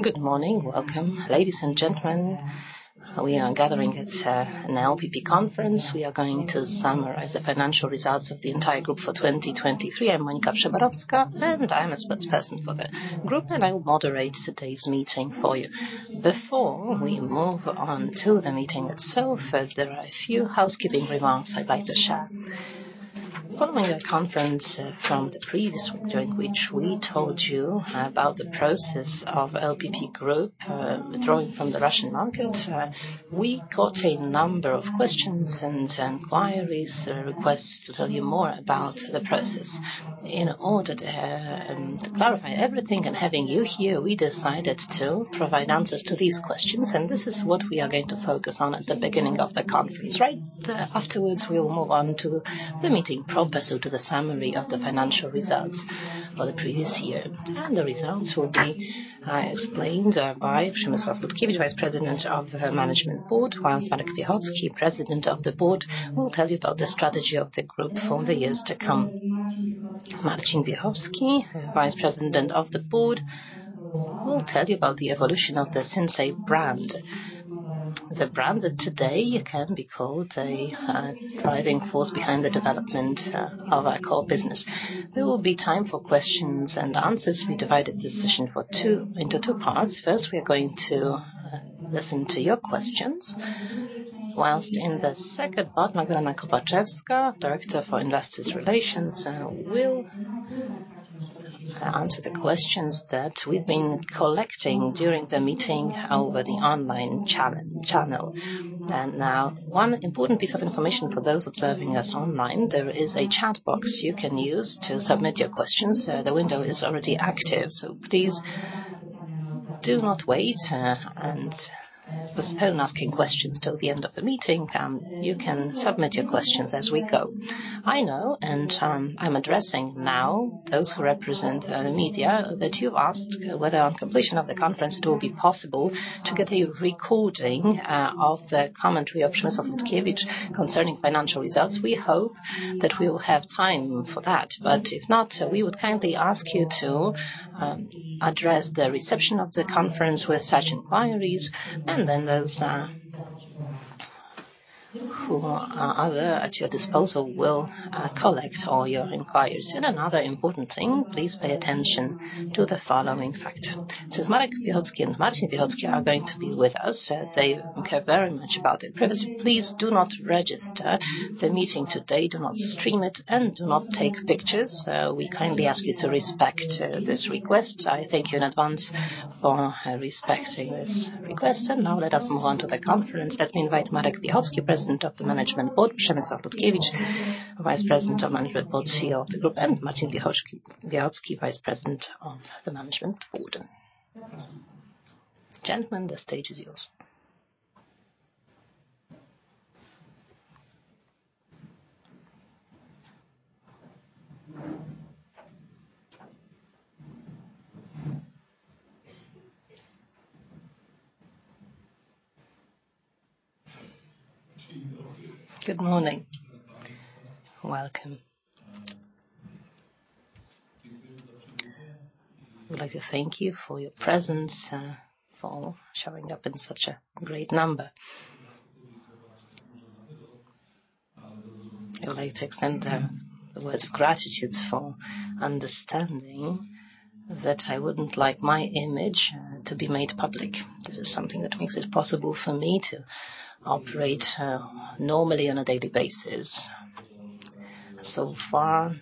Good morning. Welcome, ladies and gentlemen. We are gathering at an LPP conference. We are going to summarize the financial results of the entire group for 2023. I'm Monika Wszeborowska, and I am a spokesperson for the group, and I will moderate today's meeting for you. Before we move on to the meeting itself, there are a few housekeeping remarks I'd like to share. Following a conference from the previous week, during which we told you about the process of LPP Group withdrawing from the Russian market, we got a number of questions and inquiries, requests to tell you more about the process. In order to clarify everything and having you here, we decided to provide answers to these questions, and this is what we are going to focus on at the beginning of the conference, right? Afterwards, we will move on to the meeting proper, so to the summary of the financial results for the previous year. The results will be explained by Przemysław Lutkiewicz, Vice President of the Management Board, while Marek Piechocki, President of the Board, will tell you about the strategy of the group for the years to come. Marcin Piechocki, Vice President of the Board, will tell you about the evolution of the Sinsay brand. The brand today can be called a driving force behind the development of our core business. There will be time for questions and answers. We divided the session into two parts. First, we are going to listen to your questions, while in the second part, Magdalena Kopaczewska, Director for Investor Relations, will answer the questions that we've been collecting during the meeting over the online channel. And now, one important piece of information for those observing us online, there is a chat box you can use to submit your questions. The window is already active, so please do not wait, and postpone asking questions till the end of the meeting, and you can submit your questions as we go. I know, and, I'm addressing now those who represent the media, that you asked whether on completion of the conference, it will be possible to get a recording of the commentary of Przemysław Lutkiewicz concerning financial results. We hope that we will have time for that, but if not, we would kindly ask you to address the reception of the conference with such inquiries, and then those who are other at your disposal will collect all your inquiries. And another important thing, please pay attention to the following fact. Since Marek Piechocki and Marcin Piechocki are going to be with us, they care very much about their privacy. Please do not register the meeting today, do not stream it, and do not take pictures. We kindly ask you to respect this request. I thank you in advance for respecting this request. Now let us move on to the conference. Let me invite Marek Piechocki, President of the Management Board, Przemysław Lutkiewicz, Vice President of Management Board, CEO of the Group, and Marcin Piechocki, Vice President of the Management Board. Gentlemen, the stage is yours. Good morning. Welcome. I would like to thank you for your presence, for showing up in such a great number. I'd like to extend the words of gratitude for understanding that I wouldn't like my image to be made public. This is something that makes it possible for me to operate normally on a daily basis. So far,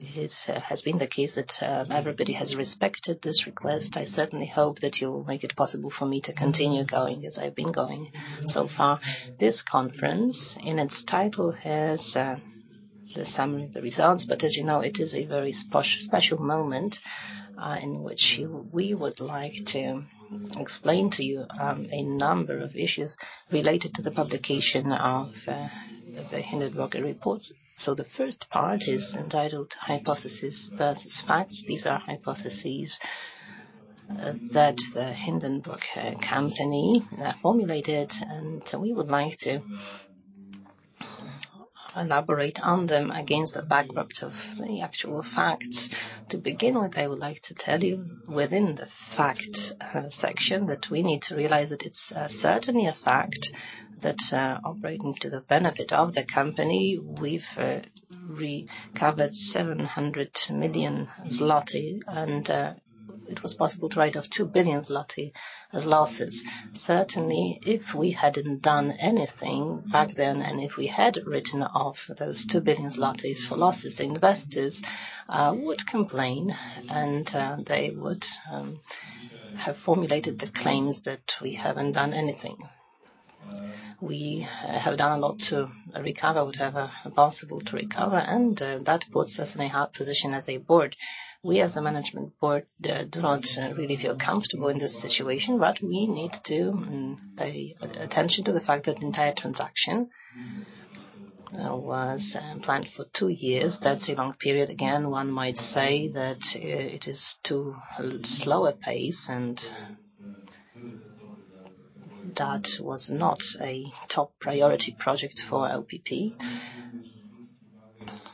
it has been the case that everybody has respected this request. I certainly hope that you'll make it possible for me to continue going as I've been going so far. This conference, in its title, has the summary, the results, but as you know, it is a very special moment in which we would like to explain to you a number of issues related to the publication of the Hindenburg Research reports. So the first part is entitled hypothesis vs facts. These are hypotheses that the Hindenburg Research formulated, and we would like to elaborate on them against the backdrop of the actual facts. To begin with, I would like to tell you within the facts section that we need to realize that it's certainly a fact that operating to the benefit of the company, we've recovered 700 million zloty, and it was possible to write off 2 billion zloty as losses. Certainly, if we hadn't done anything back then, and if we had written off those 2 billion zlotys for losses, the investors would complain, and they would have formulated the claims that we haven't done anything. We have done a lot to recover whatever possible to recover, and that puts us in a hard position as a board. We, as a management board, do not really feel comfortable in this situation, but we need to pay attention to the fact that the entire transaction was planned for two years. That's a long period. Again, one might say that it is too slower pace. That was not a top priority project for LPP,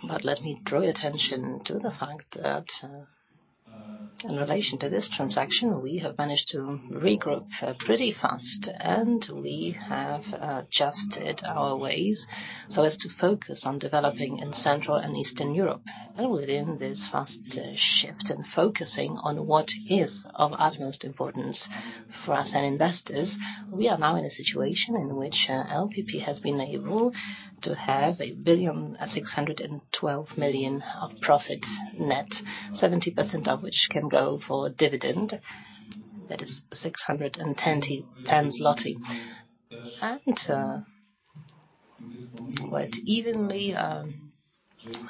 but let me draw your attention to the fact that, in relation to this transaction, we have managed to regroup pretty fast, and we have adjusted our ways so as to focus on developing in Central and Eastern Europe. And within this fast shift and focusing on what is of utmost importance for us and investors, we are now in a situation in which LPP has been able to have 1,612,000,000 of profits net, 70% of which can go for dividend. That is 610 million zloty. And but evenly,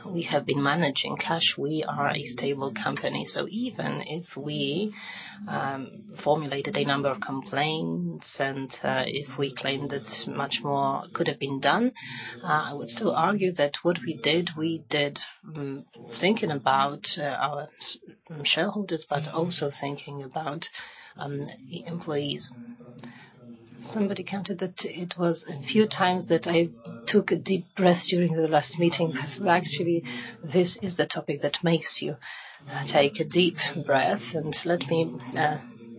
we have been managing cash. We are a stable company, so even if we formulated a number of complaints, and if we claimed that much more could have been done, I would still argue that what we did, we did thinking about our shareholders, but also thinking about the employees. Somebody counted that it was a few times that I took a deep breath during the last meeting, well, actually, this is the topic that makes you take a deep breath. Let me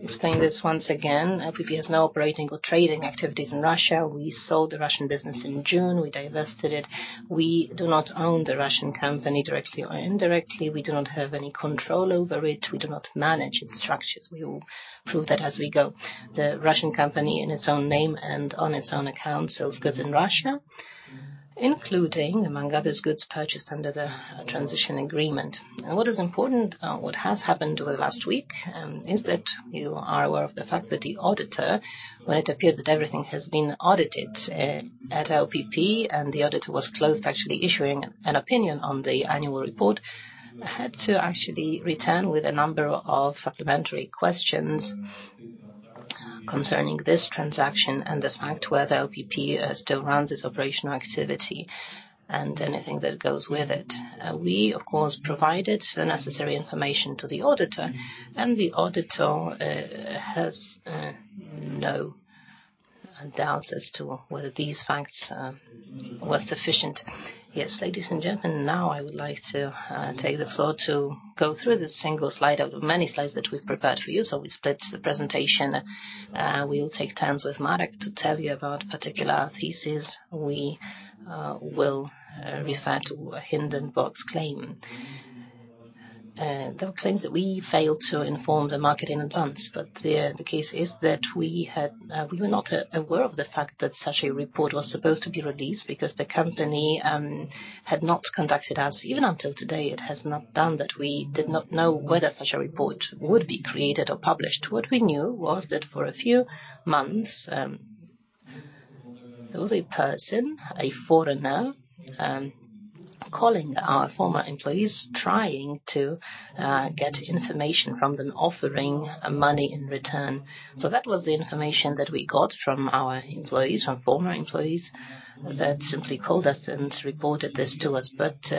explain this once again. LPP has no operating or trading activities in Russia. We sold the Russian business in June. We divested it. We do not own the Russian company directly or indirectly. We do not have any control over it. We do not manage its structures. We will prove that as we go. The Russian company, in its own name and on its own account, sells goods in Russia, including, among others, goods purchased under the transition agreement. What is important, what has happened over the last week, is that you are aware of the fact that the auditor, when it appeared that everything has been audited at LPP, and the auditor was close to actually issuing an opinion on the annual report, had to actually return with a number of supplementary questions concerning this transaction and the fact whether LPP still runs its operational activity and anything that goes with it. We, of course, provided the necessary information to the auditor, and the auditor has no doubts as to whether these facts were sufficient. Yes, ladies and gentlemen, now I would like to take the floor to go through this single slide of the many slides that we've prepared for you. So we split the presentation. We'll take turns with Marek to tell you about particular thesis. We will refer to Hindenburg's claim. There were claims that we failed to inform the market in advance, but the case is that we were not aware of the fact that such a report was supposed to be released because the company had not contacted us. Even until today, it has not done that. We did not know whether such a report would be created or published. What we knew was that for a few months, there was a person, a foreigner, calling our former employees, trying to get information from them, offering money in return. So that was the information that we got from our employees, from former employees, that simply called us and reported this to us. But,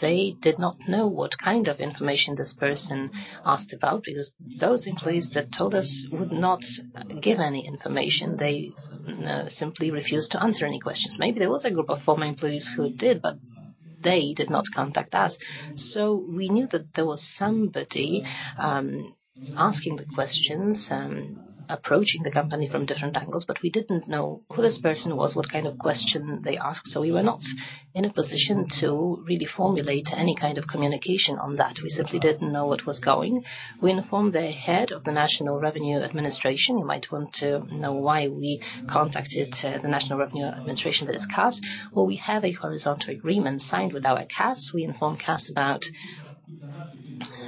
they did not know what kind of information this person asked about, because those employees that told us would not give any information. They simply refused to answer any questions. Maybe there was a group of former employees who did, but they did not contact us. So we knew that there was somebody asking the questions, approaching the company from different angles, but we didn't know who this person was, what kind of question they asked, so we were not in a position to really formulate any kind of communication on that. We simply didn't know what was going. We informed the Head of the National Revenue Administration. You might want to know why we contacted the National Revenue Administration, that is KAS. Well, we have a horizontal agreement signed with our KAS. We informed KAS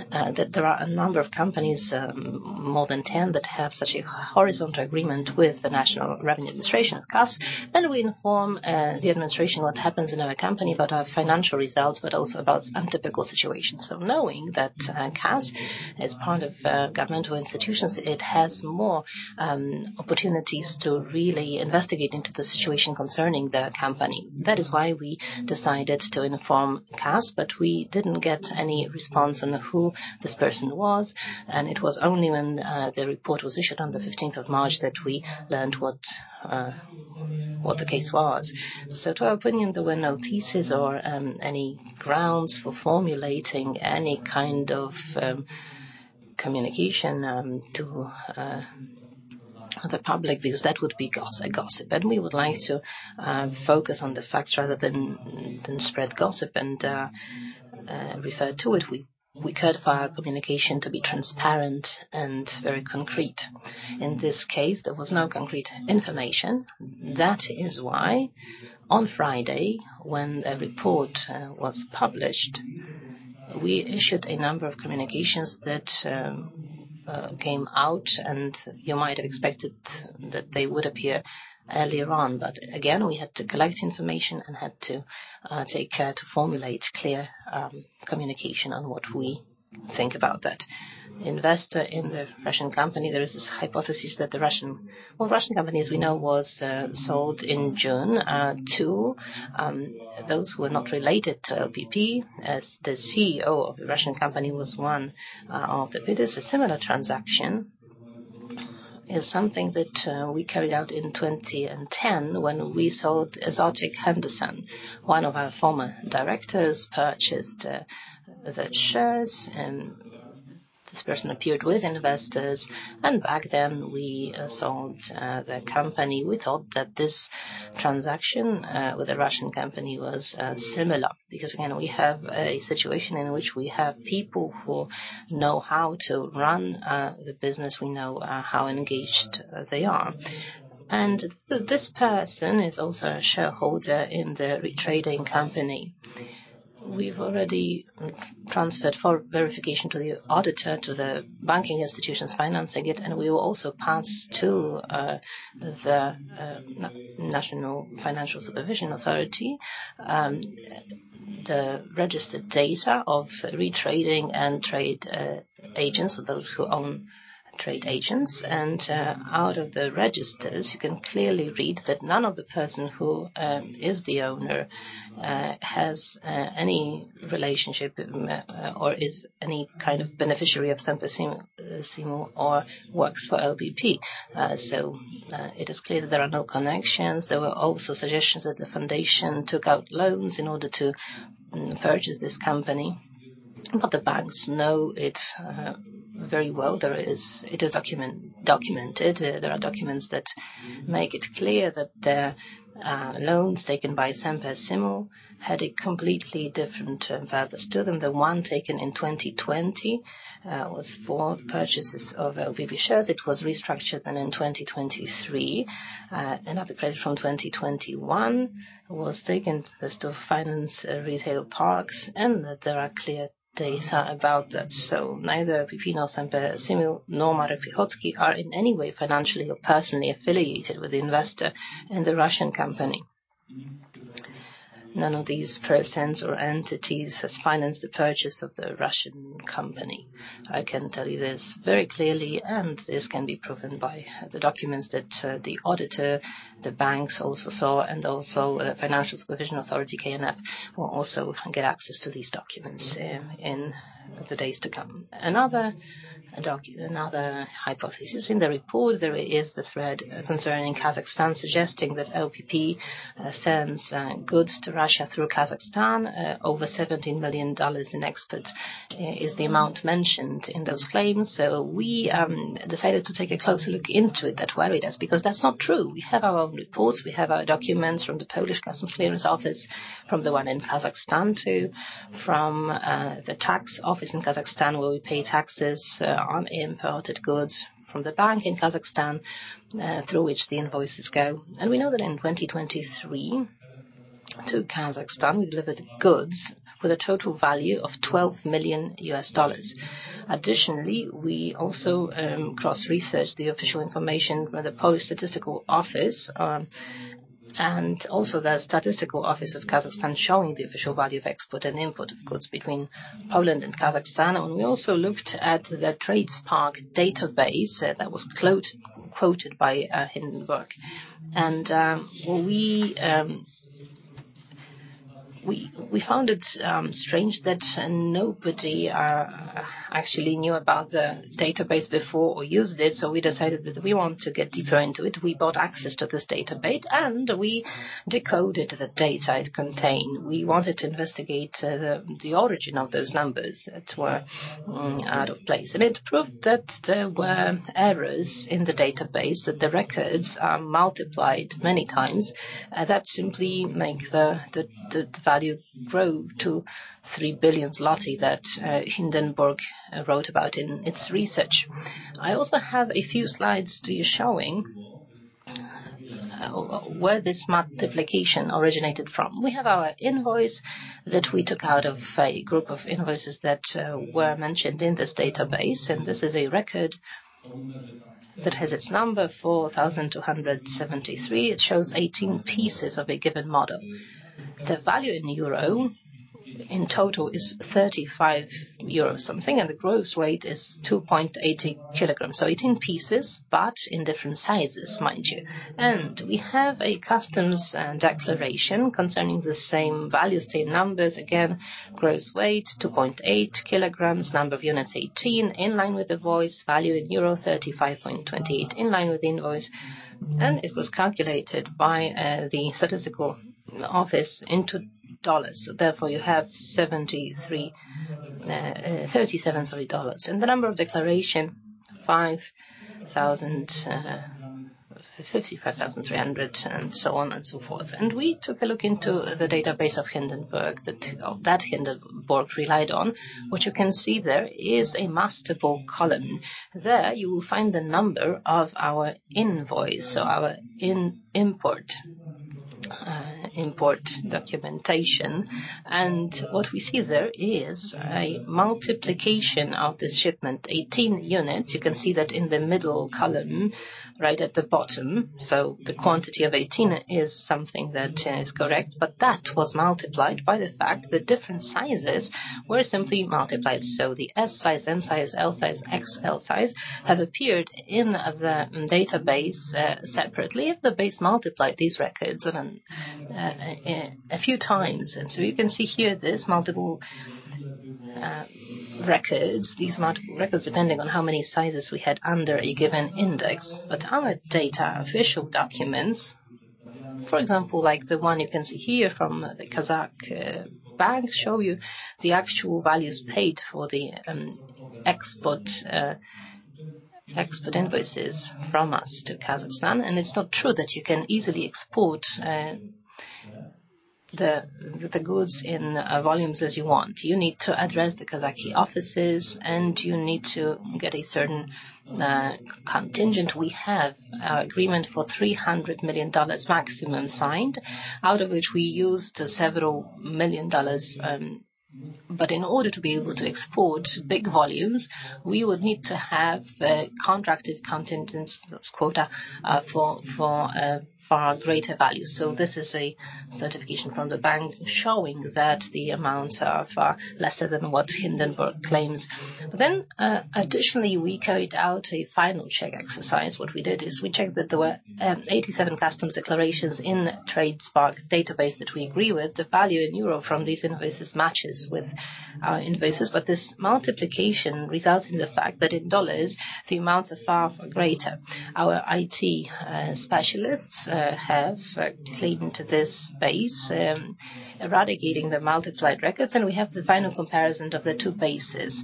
about that there are a number of companies, more than 10, that have such a horizontal agreement with the National Revenue Administration, KAS. We inform the administration what happens in our company, about our financial results, but also about some atypical situations. Knowing that KAS is part of governmental institutions, it has more opportunities to really investigate into the situation concerning the company. That is why we decided to inform KAS, but we didn't get any response on who this person was, and it was only when the report was issued on the fifteenth of March that we learned what the case was. To our opinion, there were no thesis or any grounds for formulating any kind of communication to the public, because that would be gossip. And we would like to focus on the facts rather than spread gossip and refer to it. We could file communication to be transparent and very concrete. In this case, there was no concrete information. That is why on Friday, when the report was published, we issued a number of communications that came out, and you might have expected that they would appear earlier on. But again, we had to collect information and had to take care to formulate clear communication on what we think about that. Investor in the Russian company, there is this hypothesis that the Russian... Well, the Russian company, as we know, was sold in June to those who are not related to LPP, as the CEO of the Russian company was one of the bidders. A similar transaction-... is something that we carried out in 2010, when we sold ESOTIQ & Henderson. One of our former directors purchased the shares, and this person appeared with investors, and back then we sold the company. We thought that this transaction with a Russian company was similar, because again, we have a situation in which we have people who know how to run the business. We know how engaged they are. And this person is also a shareholder in the RE Trading company. We've already transferred for verification to the auditor, to the banking institutions financing it, and we will also pass to the National Financial Supervision Authority the registered data of RE Trading and trade agents, or those who own trade agents. Out of the registers, you can clearly read that none of the person who is the owner has any relationship with Ma- or is any kind of beneficiary of Semper Simul or works for LPP. So, it is clear there are no connections. There were also suggestions that the foundation took out loans in order to purchase this company, but the banks know it very well. It is documented. There are documents that make it clear that the loans taken by Semper Simul had a completely different purpose to them. The one taken in 2020 was for purchases of LPP shares. It was restructured then in 2023. Another credit from 2021 was taken just to finance retail parks, and that there are clear data about that. So neither LPP, nor Semper Simul, nor Marek Piechocki are in any way financially or personally affiliated with the investor in the Russian company. None of these persons or entities has financed the purchase of the Russian company. I can tell you this very clearly, and this can be proven by the documents that the auditor, the banks, also saw, and also the Financial Supervision Authority, KNF, will also get access to these documents, in the days to come. Another hypothesis in the report, there is the thread concerning Kazakhstan, suggesting that LPP sends goods to Russia through Kazakhstan. Over $17 million in export is the amount mentioned in those claims. So we decided to take a closer look into it. That worried us, because that's not true. We have our own reports, we have our documents from the Polish Customs Clearance office, from the one in Kazakhstan, too, from the tax office in Kazakhstan, where we pay taxes on imported goods from the bank in Kazakhstan through which the invoices go. And we know that in 2023, to Kazakhstan, we delivered goods with a total value of $12 million. Additionally, we also cross-researched the official information by the Polish Statistical Office and also the Statistical Office of Kazakhstan, showing the official value of export and import of goods between Poland and Kazakhstan. And we also looked at the Tradesparq database that was quote quoted by Hindenburg. Well, we found it strange that nobody actually knew about the database before or used it, so we decided that we want to get deeper into it. We bought access to this database, and we decoded the data it contained. We wanted to investigate the origin of those numbers that were out of place. It proved that there were errors in the database, that the records are multiplied many times, that simply make the value grow to 3 billion zloty that Hindenburg wrote about in its research. I also have a few slides to you showing where this multiplication originated from. We have our invoice that we took out of a group of invoices that were mentioned in this database, and this is a record that has its number, 4,273. It shows 18 pieces of a given model. The value in EUR in total is 35 euros something, and the gross weight is 2.8 kg. So 18 pieces, but in different sizes, mind you. And we have a customs declaration concerning the same values, same numbers. Again, gross weight, 2.8 kg. Number of units, 18, in line with the invoice. Value in euro 35.28, in line with the invoice. And it was calculated by the statistical office into dollars. Therefore, you have 73, uh, uh, $37, sorry. And the number of declaration, 5,000, uh, 55,300, and so on and so forth. We took a look into the database of Hindenburg, that Hindenburg relied on. What you can see there is a master bill column. There, you will find the number of our invoice, so our import documentation. And what we see there is a multiplication of this shipment, 18 units. You can see that in the middle column, right at the bottom. So the quantity of 18 is something that is correct, but that was multiplied by the fact that different sizes were simply multiplied. So the S size, M size, L size, XL size, have appeared in the database, separately. They basically multiplied these records a few times. And so you can see here, there's multiple records, these multiple records, depending on how many sizes we had under a given index. But our data, official documents, for example, like the one you can see here from the Kazakh bank, show you the actual values paid for the export invoices from us to Kazakhstan. And it's not true that you can easily export the goods in volumes as you want. You need to address the Kazakh offices, and you need to get a certain contingent. We have an agreement for $300 million maximum signed, out of which we used several million dollars. But in order to be able to export big volumes, we would need to have contracted contingents quota for far greater value. So this is a certification from the bank showing that the amounts are far lesser than what Hindenburg claims. Then, additionally, we carried out a final check exercise. What we did is we checked that there were 87 customs declarations in Tradesparq database that we agree with. The value in euro from these invoices matches with our invoices, but this multiplication results in the fact that in dollars, the amounts are far, far greater. Our IT specialists have cleaned to this base, eradicating the multiplied records, and we have the final comparison of the two bases.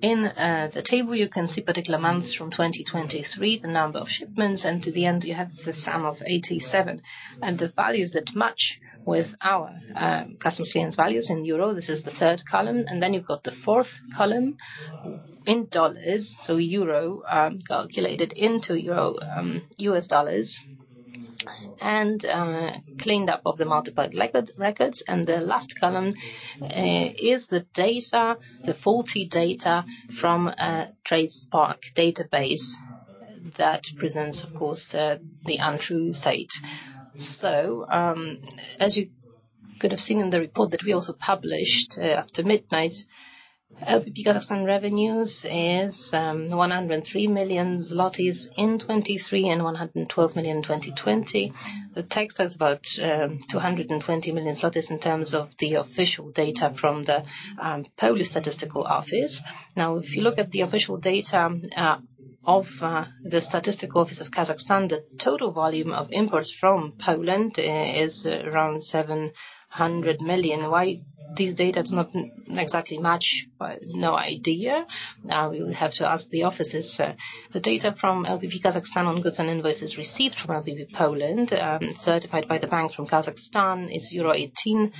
In the table, you can see particular months from 2023, the number of shipments, and to the end, you have the sum of 87. And the values that match with our customs clearance values in euro, this is the third column, and then you've got the fourth column in dollars. So euro calculated into euro U.S. dollars, and cleaned up of the multiplied records. And the last column is the data, the faulty data from Tradesparq database. That presents, of course, the untrue state. As you could have seen in the report that we also published after midnight, LPP Kazakhstan revenues is 103 million zlotys in 2023 and 112 million in 2020. That takes us about 220 million zlotys in terms of the official data from the Polish Statistical Office. Now, if you look at the official data of the Statistical Office of Kazakhstan, the total volume of imports from Poland is around 700 million. Why this data does not exactly match? Well, no idea. We will have to ask the offices. Sir, the data from LPP Kazakhstan on goods and invoices received from LPP Poland, certified by the bank from Kazakhstan, is euro 18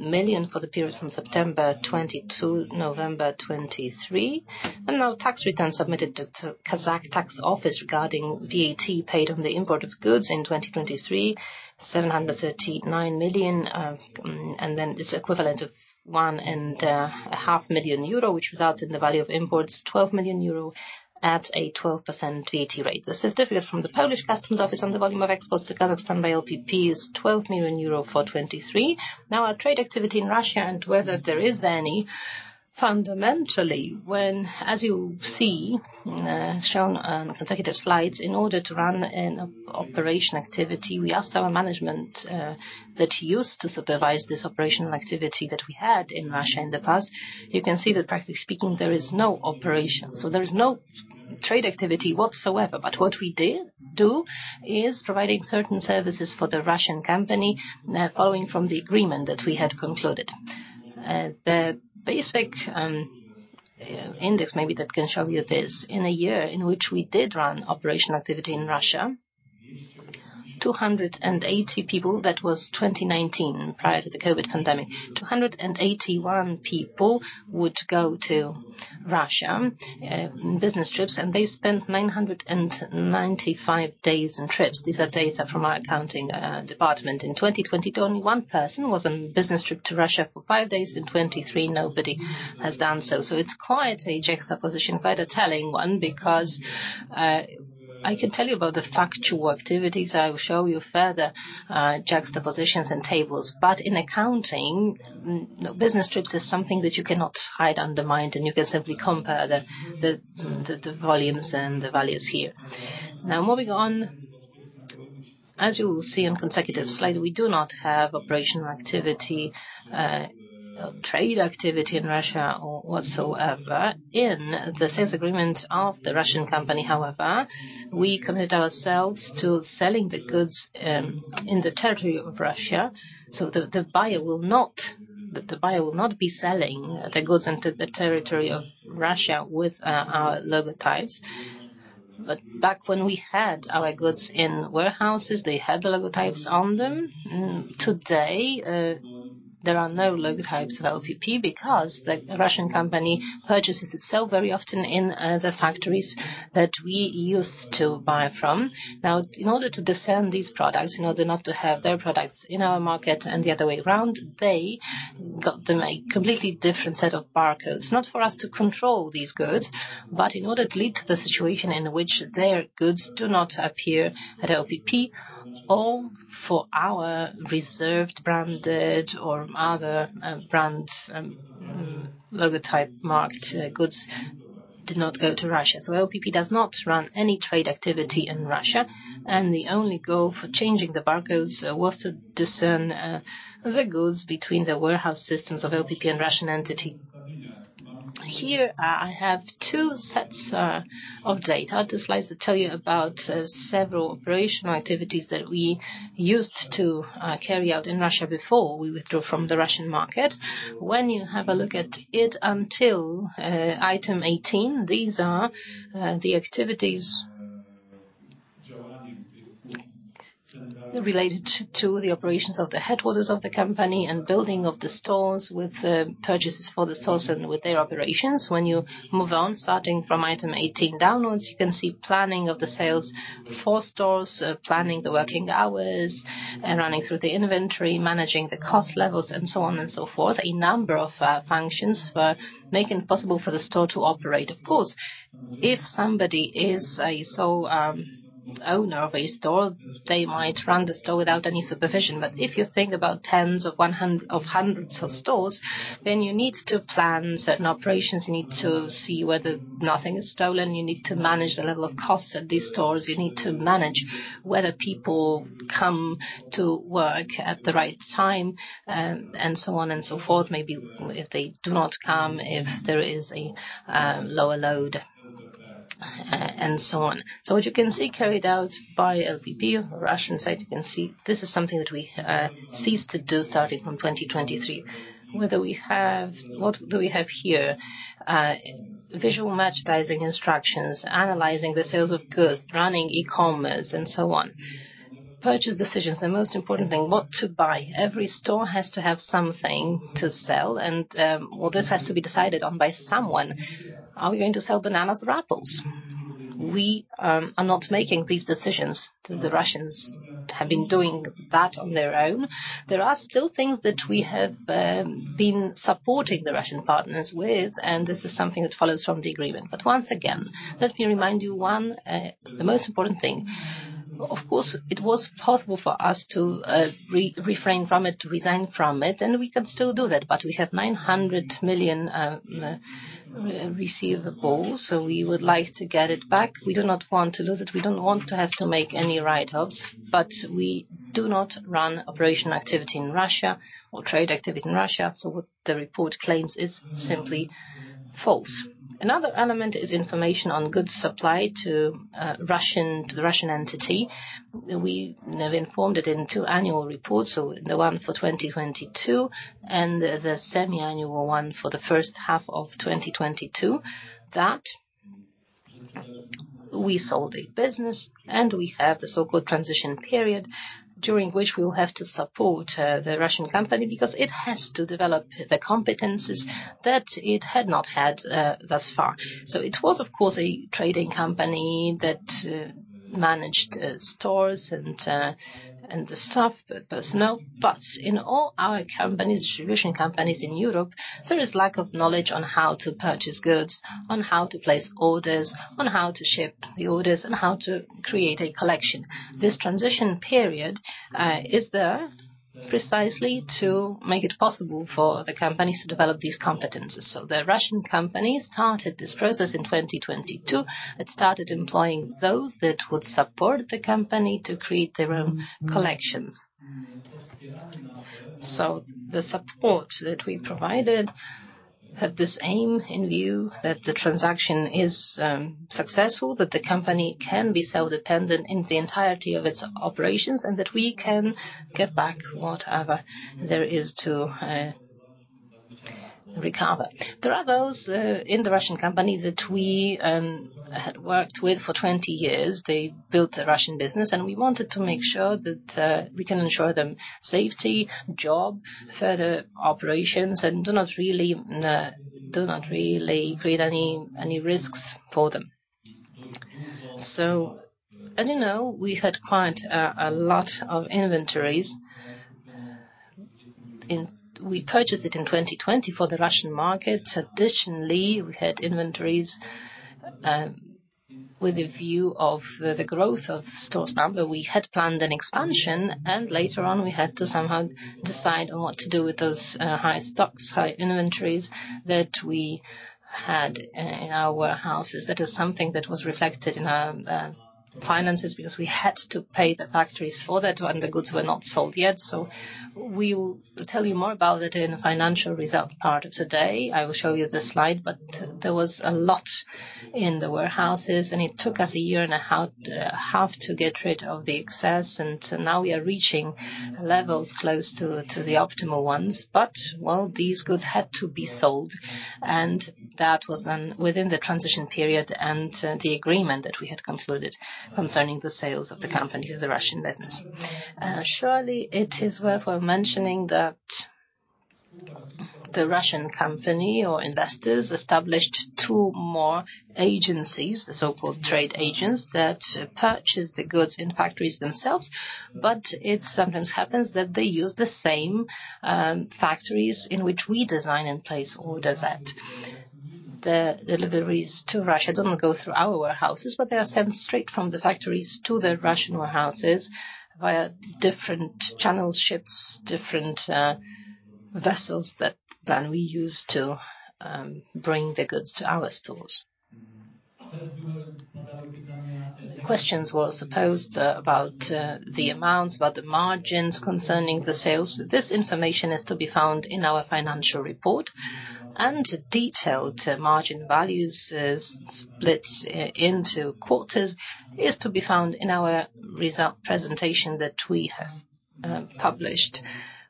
million for the period from September 2022 to November 2023. And now, tax return submitted to Kazakh Tax Office regarding VAT paid on the import of goods in 2023, KZT 739 million, and then this equivalent of 1.5 million euro, which results in the value of imports, 12 million euro at a 12% VAT rate. The certificate from the Polish Customs Office on the volume of exports to Kazakhstan by LPP is 12 million euro for 2023. Now, our trade activity in Russia and whether there is any, fundamentally, when, as you see, shown on consecutive slides, in order to run an operation activity, we asked our management, that used to supervise this operational activity that we had in Russia in the past. You can see that, practically speaking, there is no operation, so there is no trade activity whatsoever. But what we did do is providing certain services for the Russian company, following from the agreement that we had concluded. The basic, index maybe that can show you this, in a year in which we did run operational activity in Russia, 280 people, that was 2019, prior to the COVID pandemic, 281 people would go to Russia, business trips, and they spent 995 days on trips. These are data from our accounting department. In 2022, only one person was on business trip to Russia for five days. In 2023, nobody has done so. So it's quite a juxtaposition, quite a telling one, because I can tell you about the factual activities. I will show you further juxtapositions and tables. But in accounting, business trips is something that you cannot hide undermine, and you can simply compare the volumes and the values here. Now, moving on. As you will see on consecutive slide, we do not have operational activity or trade activity in Russia or whatsoever. In the sales agreement of the Russian company, however, we commit ourselves to selling the goods in the territory of Russia, so that the buyer will not be selling the goods into the territory of Russia with our logotypes. But back when we had our goods in warehouses, they had the logotypes on them. Today, there are no logotypes of LPP because the Russian company purchases itself very often in the factories that we used to buy from. Now, in order to discern these products, in order not to have their products in our market and the other way around, they got them a completely different set of barcodes. Not for us to control these goods, but in order to lead to the situation in which their goods do not appear at LPP or for our Reserved, branded, or other, brands, logotype-marked, goods did not go to Russia. So LPP does not run any trade activity in Russia, and the only goal for changing the barcodes was to discern the goods between the warehouse systems of LPP and Russian entity. Here, I have two sets of data, two slides to tell you about several operational activities that we used to carry out in Russia before we withdrew from the Russian market. When you have a look at it until item 18, these are the activities related to the operations of the headquarters of the company and building of the stores with purchases for the stores and with their operations. When you move on, starting from item 18 downwards, you can see planning of the sales for stores, planning the working hours, and running through the inventory, managing the cost levels, and so on and so forth. A number of functions for making it possible for the store to operate. Of course, if somebody is a sole owner of a store, they might run the store without any supervision. But if you think about tens of hundreds of stores, then you need to plan certain operations. You need to see whether nothing is stolen, you need to manage the level of costs at these stores, you need to manage whether people come to work at the right time, and so on and so forth. Maybe if they do not come, if there is a lower load, and so on. So as you can see, carried out by LPP, Russian side, you can see this is something that we ceased to do starting from 2023. Whether we have. What do we have here? Visual merchandising instructions, analyzing the sales of goods, running e-commerce, and so on. Purchase decisions, the most important thing, what to buy? Every store has to have something to sell, and, well, this has to be decided on by someone. Are we going to sell bananas or apples? We are not making these decisions. The Russians have been doing that on their own. There are still things that we have been supporting the Russian partners with, and this is something that follows from the agreement. But once again, let me remind you, one, the most important thing, of course, it was possible for us to refrain from it, to resign from it, and we can still do that, but we have 900 million receivables, so we would like to get it back. We do not want to lose it. We don't want to have to make any write-offs, but we do not run operational activity in Russia or trade activity in Russia, so what the report claims is simply false. Another element is information on goods supplied to Russian, to the Russian entity. We have informed it in two annual reports, so the one for 2022 and the semiannual one for the first half of 2022, that we sold a business, and we have the so-called transition period, during which we will have to support the Russian company because it has to develop the competencies that it had not had thus far. So it was, of course, a trading company that managed stores and the staff, personnel. But in all our companies, distribution companies in Europe, there is lack of knowledge on how to purchase goods, on how to place orders, on how to ship the orders, and how to create a collection. This transition period is there precisely to make it possible for the companies to develop these competencies. So the Russian company started this process in 2022. It started employing those that would support the company to create their own collections. So the support that we provided had this aim in view, that the transaction is successful, that the company can be self-dependent in the entirety of its operations, and that we can get back whatever there is to recover. There are those in the Russian company that we had worked with for 20 years. They built a Russian business, and we wanted to make sure that we can ensure them safety, job, further operations, and do not really do not really create any any risks for them. So, as you know, we had quite a lot of inventories, and we purchased it in 2020 for the Russian market. Additionally, we had inventories with a view of the the growth of stores number. We had planned an expansion, and later on, we had to somehow decide on what to do with those high stocks, high inventories that we had in our warehouses. That is something that was reflected in our finances, because we had to pay the factories for that, and the goods were not sold yet. So we will tell you more about it in the financial results part of today. I will show you the slide, but there was a lot in the warehouses, and it took us a year and a half to get rid of the excess, and now we are reaching levels close to the optimal ones. But, well, these goods had to be sold, and that was then within the transition period and the agreement that we had concluded concerning the sales of the company, the Russian business. Surely, it is worth mentioning that the Russian company or investors established two more agencies, the so-called trade agents, that purchase the goods in factories themselves, but it sometimes happens that they use the same factories in which we design and place orders at. The deliveries to Russia don't go through our warehouses, but they are sent straight from the factories to the Russian warehouses via different channels, ships, different vessels that we use to bring the goods to our stores. The questions were supposed about the amounts, about the margins concerning the sales. This information is to be found in our financial report, and detailed margin values splits into quarters is to be found in our result presentation that we have published.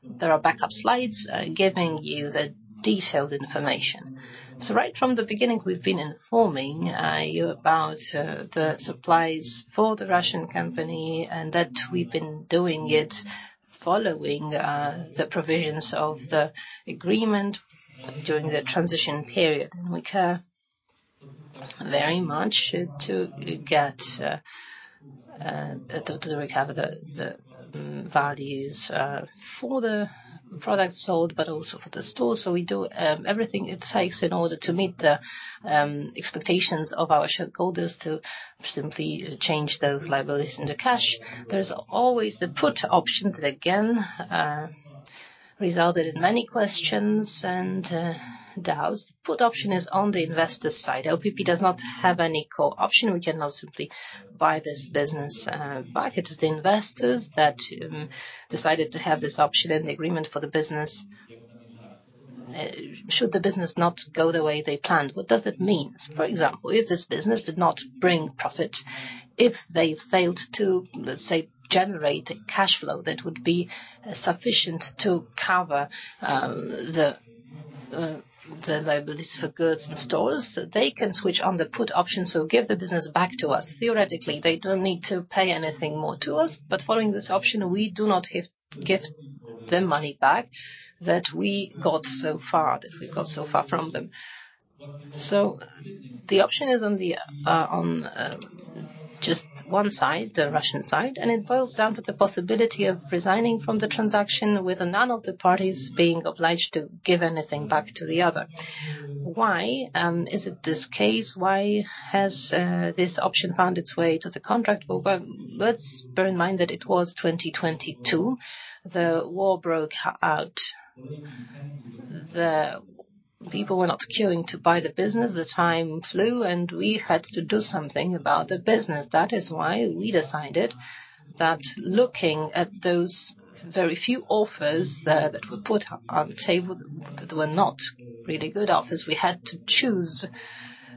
There are backup slides giving you the detailed information. So right from the beginning, we've been informing you about the supplies for the Russian company, and that we've been doing it following the provisions of the agreement during the transition period. We care very much to get to recover the values for the products sold, but also for the store. So we do everything it takes in order to meet the expectations of our shareholders to simply change those liabilities into cash. There's always the put option that, again, resulted in many questions and doubts. Put option is on the investor's side. LPP does not have any call option. We cannot simply buy this business back. It is the investors that decided to have this option in the agreement for the business should the business not go the way they planned. What does that mean? For example, if this business did not bring profit, if they failed to, let's say, generate cash flow that would be sufficient to cover the liabilities for goods in stores, they can switch on the put option, so give the business back to us. Theoretically, they don't need to pay anything more to us, but following this option, we do not have to get the money back that we got so far, that we got so far from them. So the option is on just one side, the Russian side, and it boils down to the possibility of resigning from the transaction, with none of the parties being obliged to give anything back to the other. Why is it this case? Why has this option found its way to the contract? Well, well, let's bear in mind that it was 2022. The war broke out. The people were not queuing to buy the business. The time flew, and we had to do something about the business. That is why we decided that looking at those very few offers that were put on the table, that were not really good offers, we had to choose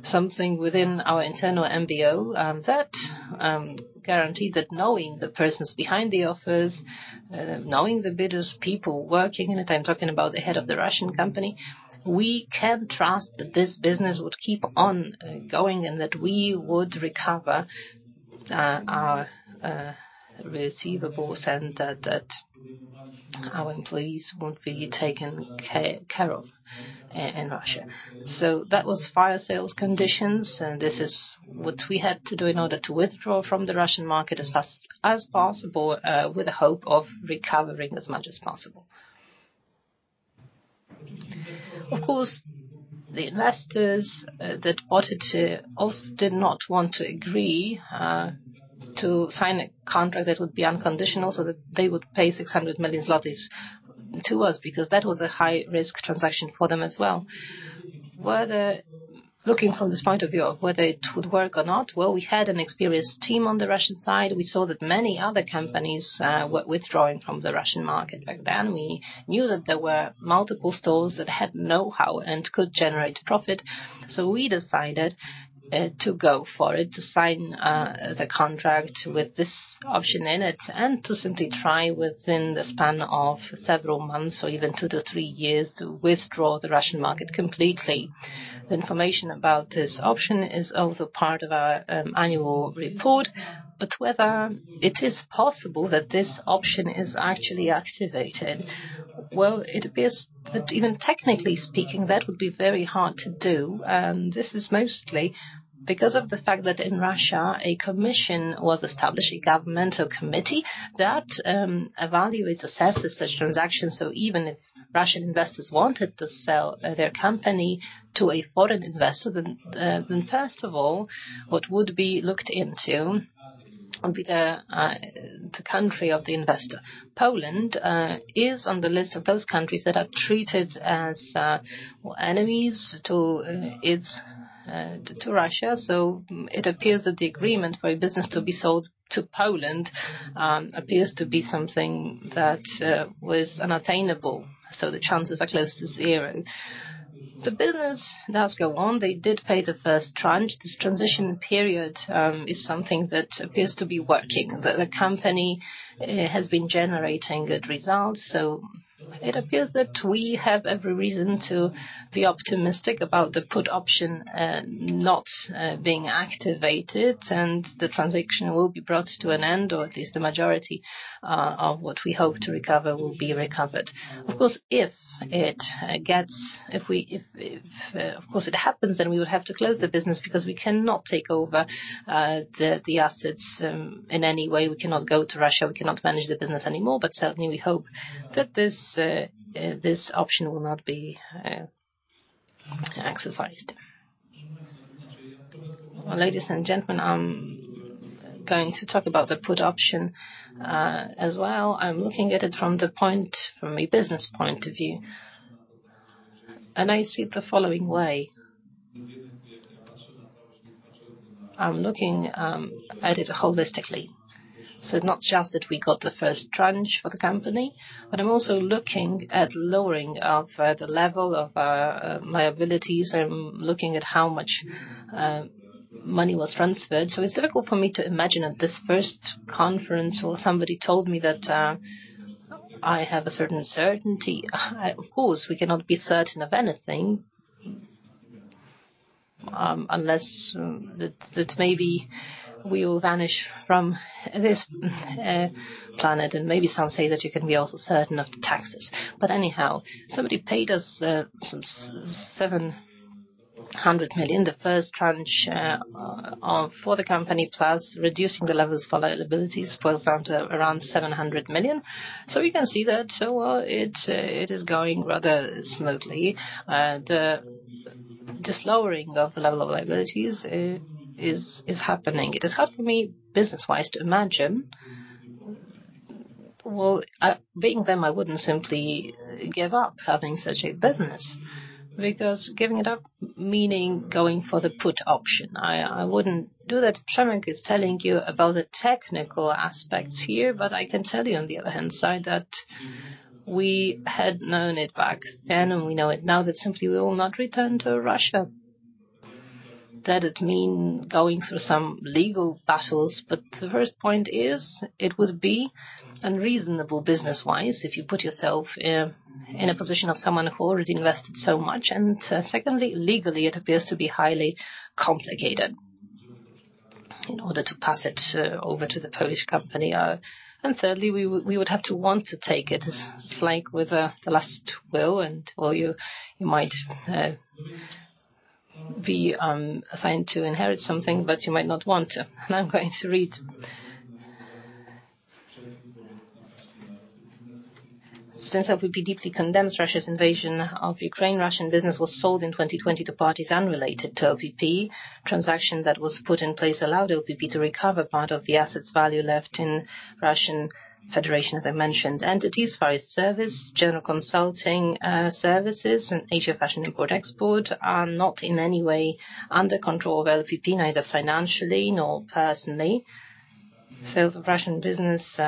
something within our internal MBO that guaranteed that knowing the persons behind the offers, knowing the bidders, people working in it, I'm talking about the head of the Russian company, we can trust that this business would keep on going, and that we would recover our receivables, and that our employees would be taken care of in Russia. So that was fire sales conditions, and this is what we had to do in order to withdraw from the Russian market as fast as possible, with the hope of recovering as much as possible. Of course, the investors that wanted to also did not want to agree to sign a contract that would be unconditional, so that they would pay 600 million zlotys to us, because that was a high-risk transaction for them as well. Whether... Looking from this point of view, whether it would work or not, well, we had an experienced team on the Russian side. We saw that many other companies were withdrawing from the Russian market back then. We knew that there were multiple stores that had know-how and could generate profit. So we decided to go for it, to sign the contract with this option in it, and to simply try within the span of several months or even two to three years, to withdraw the Russian market completely. The information about this option is also part of our annual report. But whether it is possible that this option is actually activated, well, it appears that even technically speaking, that would be very hard to do. And this is mostly because of the fact that in Russia, a commission was established, a governmental committee, that evaluates, assesses such transactions. So even if Russian investors wanted to sell their company to a foreign investor, then first of all, what would be looked into would be the country of the investor. Poland is on the list of those countries that are treated as enemies to Russia. So it appears that the agreement for a business to be sold to Poland appears to be something that was unattainable, so the chances are close to zero. The business does go on. They did pay the first tranche. This transition period is something that appears to be working. The company has been generating good results, so it appears that we have every reason to be optimistic about the put option not being activated, and the transaction will be brought to an end, or at least the majority of what we hope to recover will be recovered. Of course, if it gets, if it happens, then we would have to close the business because we cannot take over the assets in any way. We cannot go to Russia. We cannot manage the business anymore, but certainly, we hope that this option will not be exercised. Ladies and gentlemen, I'm going to talk about the put option as well. I'm looking at it from a business point of view, and I see it the following way. I'm looking at it holistically. So not just that we got the first tranche for the company, but I'm also looking at lowering of the level of liabilities. I'm looking at how much money was transferred. So it's difficult for me to imagine at this first conference, or somebody told me that, I have a certain certainty. Of course, we cannot be certain of anything, unless that, that maybe we will vanish from this, planet, and maybe some say that you can be also certain of taxes. But anyhow, somebody paid us some 700 million, the first tranche, of for the company, plus reducing the levels of liabilities was down to around 700 million. So we can see that, so, it is going rather smoothly, and this lowering of the level of liabilities is happening. It is hard for me, business-wise, to imagine. Well, being them, I wouldn't simply give up having such a business, because giving it up, meaning going for the put option, I wouldn't do that. Przemysław is telling you about the technical aspects here, but I can tell you on the other hand side, that we had known it back then, and we know it now, that simply we will not return to Russia. That would mean going through some legal battles, but the first point is, it would be unreasonable business-wise if you put yourself in a position of someone who already invested so much. And secondly, legally, it appears to be highly complicated in order to pass it over to the Polish company. And thirdly, we would have to want to take it. It's like with the last will, and well, you might be assigned to inherit something, but you might not want to. And I'm going to read. Since LPP deeply condemns Russia's invasion of Ukraine, Russian business was sold in 2020 to parties unrelated to LPP. Transaction that was put in place allowed LPP to recover part of the assets value left in Russian Federation, as I mentioned. Entities, Far East Services, General Consulting Services, and Asia Fashion Import Export, are not in any way under control of LPP, neither financially nor personally. Sales of Russian business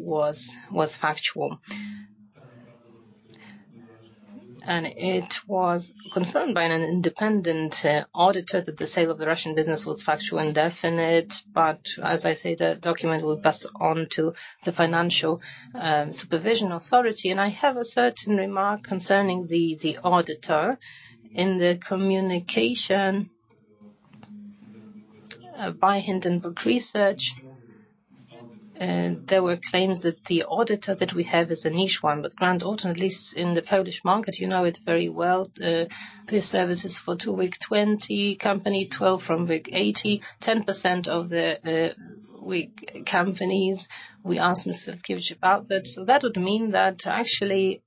was factual. It was confirmed by an independent auditor that the sale of the Russian business was factual and definite, but as I say, the document will pass on to the financial supervision authority. I have a certain remark concerning the auditor. In the communication by Hindenburg Research, there were claims that the auditor that we have is a niche one, but Grant Thornton, at least in the Polish market, you know it very well, provides services for two WIG20 companies, 12 from WIG80, 10% of the WIG companies. We asked Mr. [Kiercz] about that. That would mean that actually,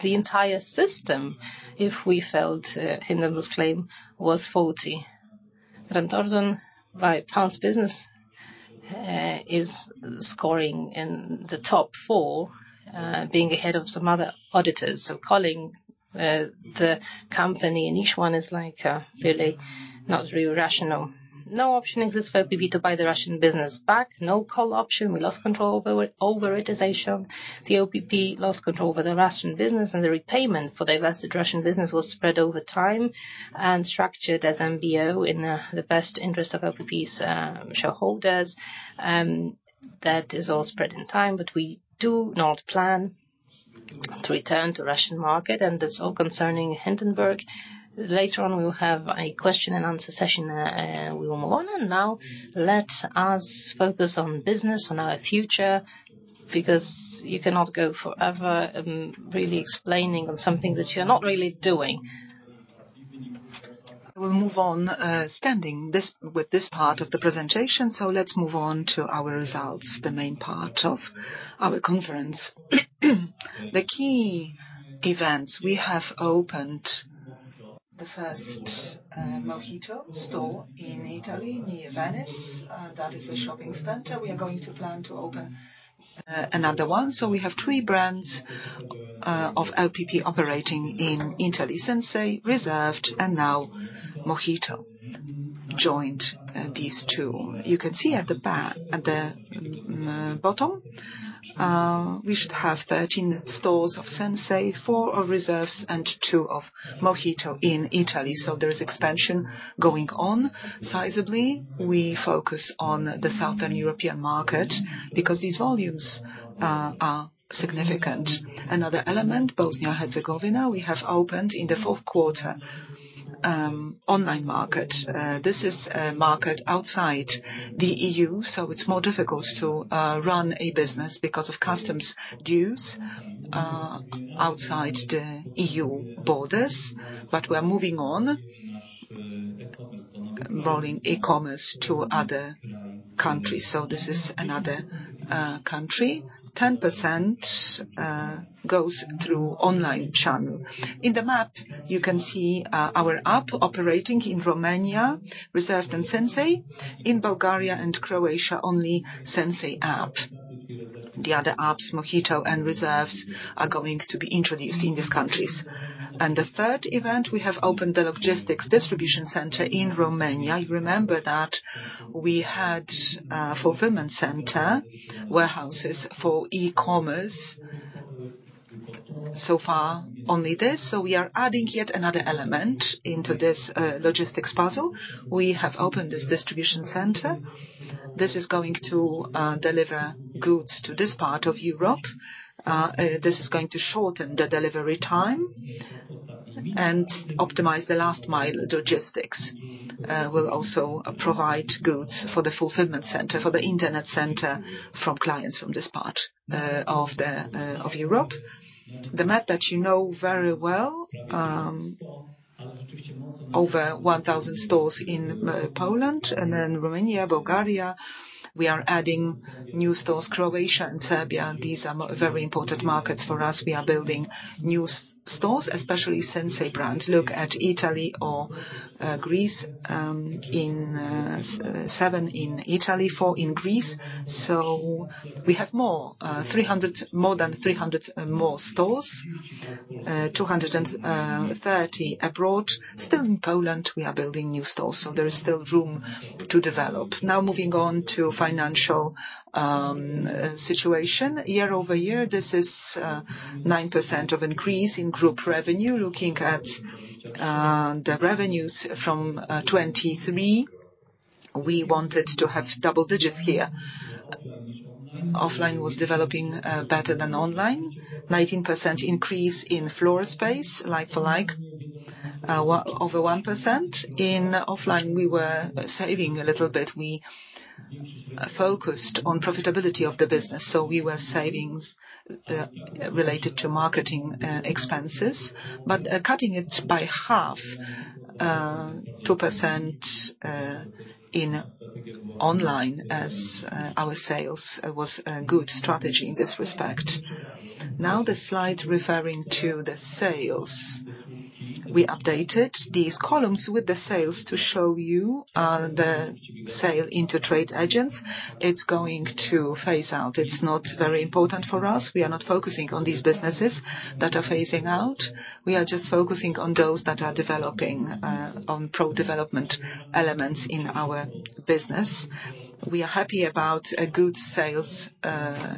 the entire system, if we followed Hindenburg's claim, was faulty. Grant Thornton, by past business, is scoring in the top 4, being ahead of some other auditors. So calling the company a niche one is, like, really not really rational. No option exists for LPP to buy the Russian business back. No call option. We lost control over it, as I show. LPP lost control over the Russian business, and the repayment for the invested Russian business was spread over time and structured as MBO in the best interest of LPP's shareholders. That is all spread in time, but we do not plan to return to Russian market, and that's all concerning Hindenburg. Later on, we will have a question-and-answer session, we will move on. And now, let us focus on business, on our future, because you cannot go forever, really explaining on something that you're not really doing. We'll move on, ending this, with this part of the presentation, so let's move on to our results, the main part of our conference. The key events, we have opened the first MOHITO store in Italy, near Venice. That is a shopping center. We are going to plan to open another one. So we have three brands of LPP operating in Italy, Sinsay, Reserved, and now MOHITO joined these two. You can see at the bottom, we should have 13 stores of Sinsay, four of Reserved, and two of MOHITO in Italy, so there is expansion going on sizably. We focus on the Southern European market because these volumes are significant. Another element, Bosnia and Herzegovina, we have opened in the fourth quarter online market. This is a market outside the EU, so it's more difficult to run a business because of customs dues outside the EU borders. But we're moving on, rolling e-commerce to other countries. So this is another country. 10% goes through online channel. In the map, you can see our app operating in Romania, Reserved and Sinsay, in Bulgaria and Croatia, only Sinsay app. The other apps, MOHITO and Reserved, are going to be introduced in these countries. And the third event, we have opened the logistics distribution center in Romania. You remember that we had fulfillment center warehouses for e-commerce. So far, only this, so we are adding yet another element into this logistics puzzle. We have opened this distribution center. This is going to deliver goods to this part of Europe. This is going to shorten the delivery time and optimize the last mile logistics. We'll also provide goods for the fulfillment center, for the internet center, from clients from this part of Europe. The map that you know very well, over 1,000 stores in Poland and then Romania, Bulgaria. We are adding new stores, Croatia and Serbia. These are very important markets for us. We are building new stores, especially Sinsay brand. Look at Italy or Greece, in seven in Italy, four in Greece. So we have more than 300 more stores, 230 abroad. Still in Poland, we are building new stores, so there is still room to develop. Now, moving on to financial situation. Year-over-year, this is 9% increase in group revenue. Looking at the revenues from 2023, we wanted to have double digits here. Offline was developing better than online. 19% increase in floor space, like-for-like over 1%. In offline, we were saving a little bit. We focused on profitability of the business, so we were savings related to marketing expenses, but cutting it by half 2% in online as our sales was a good strategy in this respect. Now, the slide referring to the sales. We updated these columns with the sales to show you the sale into trade agents. It's going to phase out. It's not very important for us. We are not focusing on these businesses that are phasing out. We are just focusing on those that are developing, on pro-development elements in our business. We are happy about a good sales,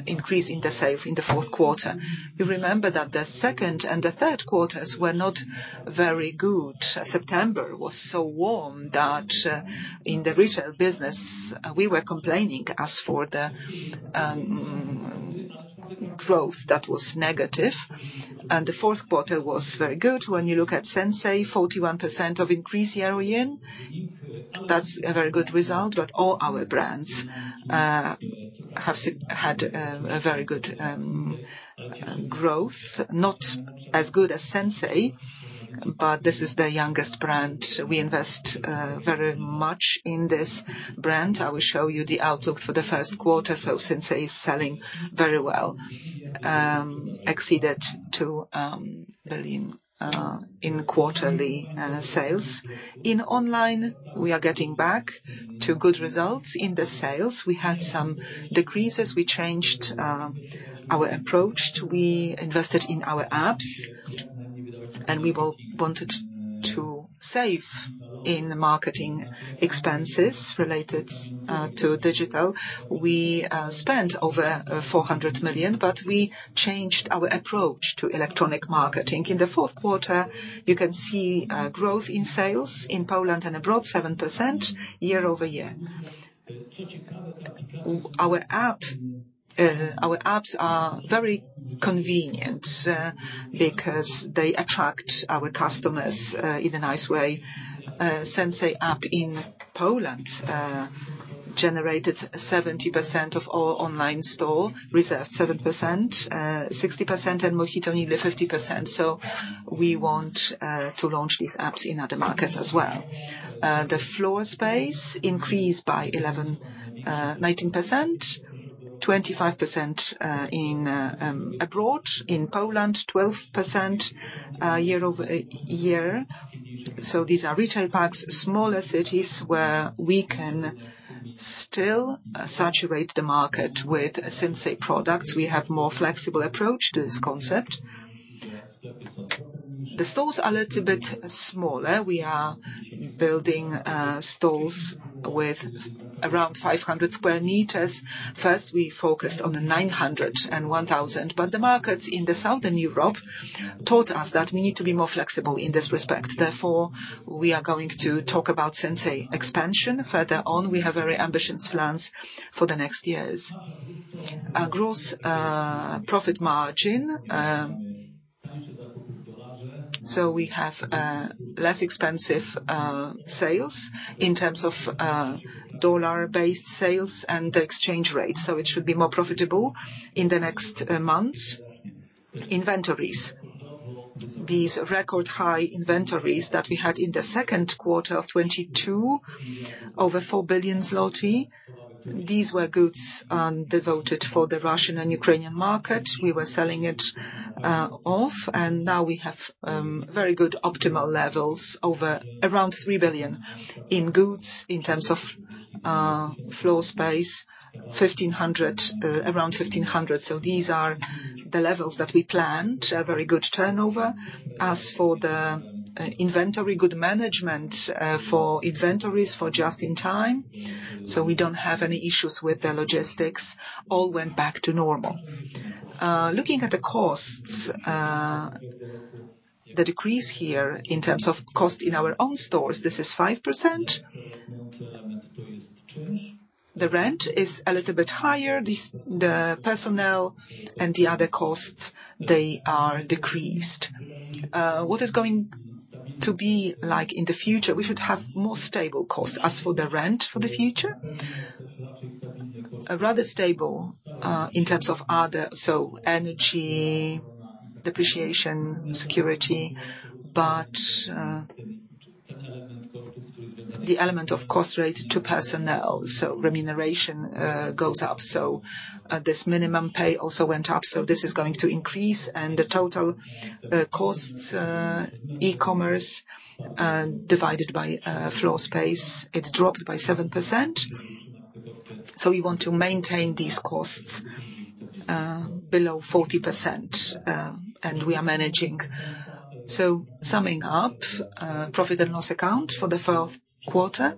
increase in the sales in the fourth quarter. You remember that the second and the third quarters were not very good. September was so warm that, in the retail business, we were complaining as for the, growth that was negative, and the fourth quarter was very good. When you look at Sinsay, 41% increase year-on-year, that's a very good result. But all our brands had a very good growth. Not as good as Sinsay, but this is the youngest brand. We invest very much in this brand. I will show you the outlook for the first quarter. So Sinsay is selling very well, exceeded two billion in quarterly sales. In online, we are getting back to good results. In the sales, we had some decreases. We changed our approach. We invested in our apps, and we wanted to save in the marketing expenses related to digital. We spent over 400 million, but we changed our approach to electronic marketing. In the fourth quarter, you can see growth in sales in Poland and abroad, 7% year-over-year. Our apps are very convenient because they attract our customers in a nice way. Sinsay app in Poland generated 70% of all online store. Reserved, 7%, 60%, and MOHITO nearly 50%. So we want to launch these apps in other markets as well. The floor space increased by 11%, 19%, 25% abroad. In Poland, 12%, year-over-year. So these are retail parks, smaller cities, where we can still saturate the market with Sinsay products. We have more flexible approach to this concept. The stores are a little bit smaller. We are building stores with around 500 sq m. First, we focused on the 900 and 1,000, but the markets in the southern Europe taught us that we need to be more flexible in this respect. Therefore, we are going to talk about Sinsay expansion. Further on, we have very ambitious plans for the next years. Our gross profit margin, so we have less expensive sales in terms of dollar-based sales and exchange rates, so it should be more profitable in the next months. Inventories?... These record high inventories that we had in the second quarter of 2022, over 4 billion zloty. These were goods devoted for the Russian and Ukrainian market. We were selling it off, and now we have very good optimal levels over around 3 billion in goods, in terms of floor space, 1,500, around 1,500. So these are the levels that we planned, a very good turnover. As for the inventory, good management for inventories for just in time, so we don't have any issues with the logistics. All went back to normal. Looking at the costs, the decrease here in terms of cost in our own stores, this is 5%. The rent is a little bit higher. This, the personnel and the other costs, they are decreased. What is going to be like in the future? We should have more stable costs. As for the rent for the future, a rather stable, in terms of other, so energy, depreciation, security, but, the element of cost rate to personnel, so remuneration, goes up. So, this minimum pay also went up, so this is going to increase, and the total, costs, e-commerce, divided by, floor space, it dropped by 7%. So we want to maintain these costs, below 40%, and we are managing. So summing up, profit and loss account for the fourth quarter,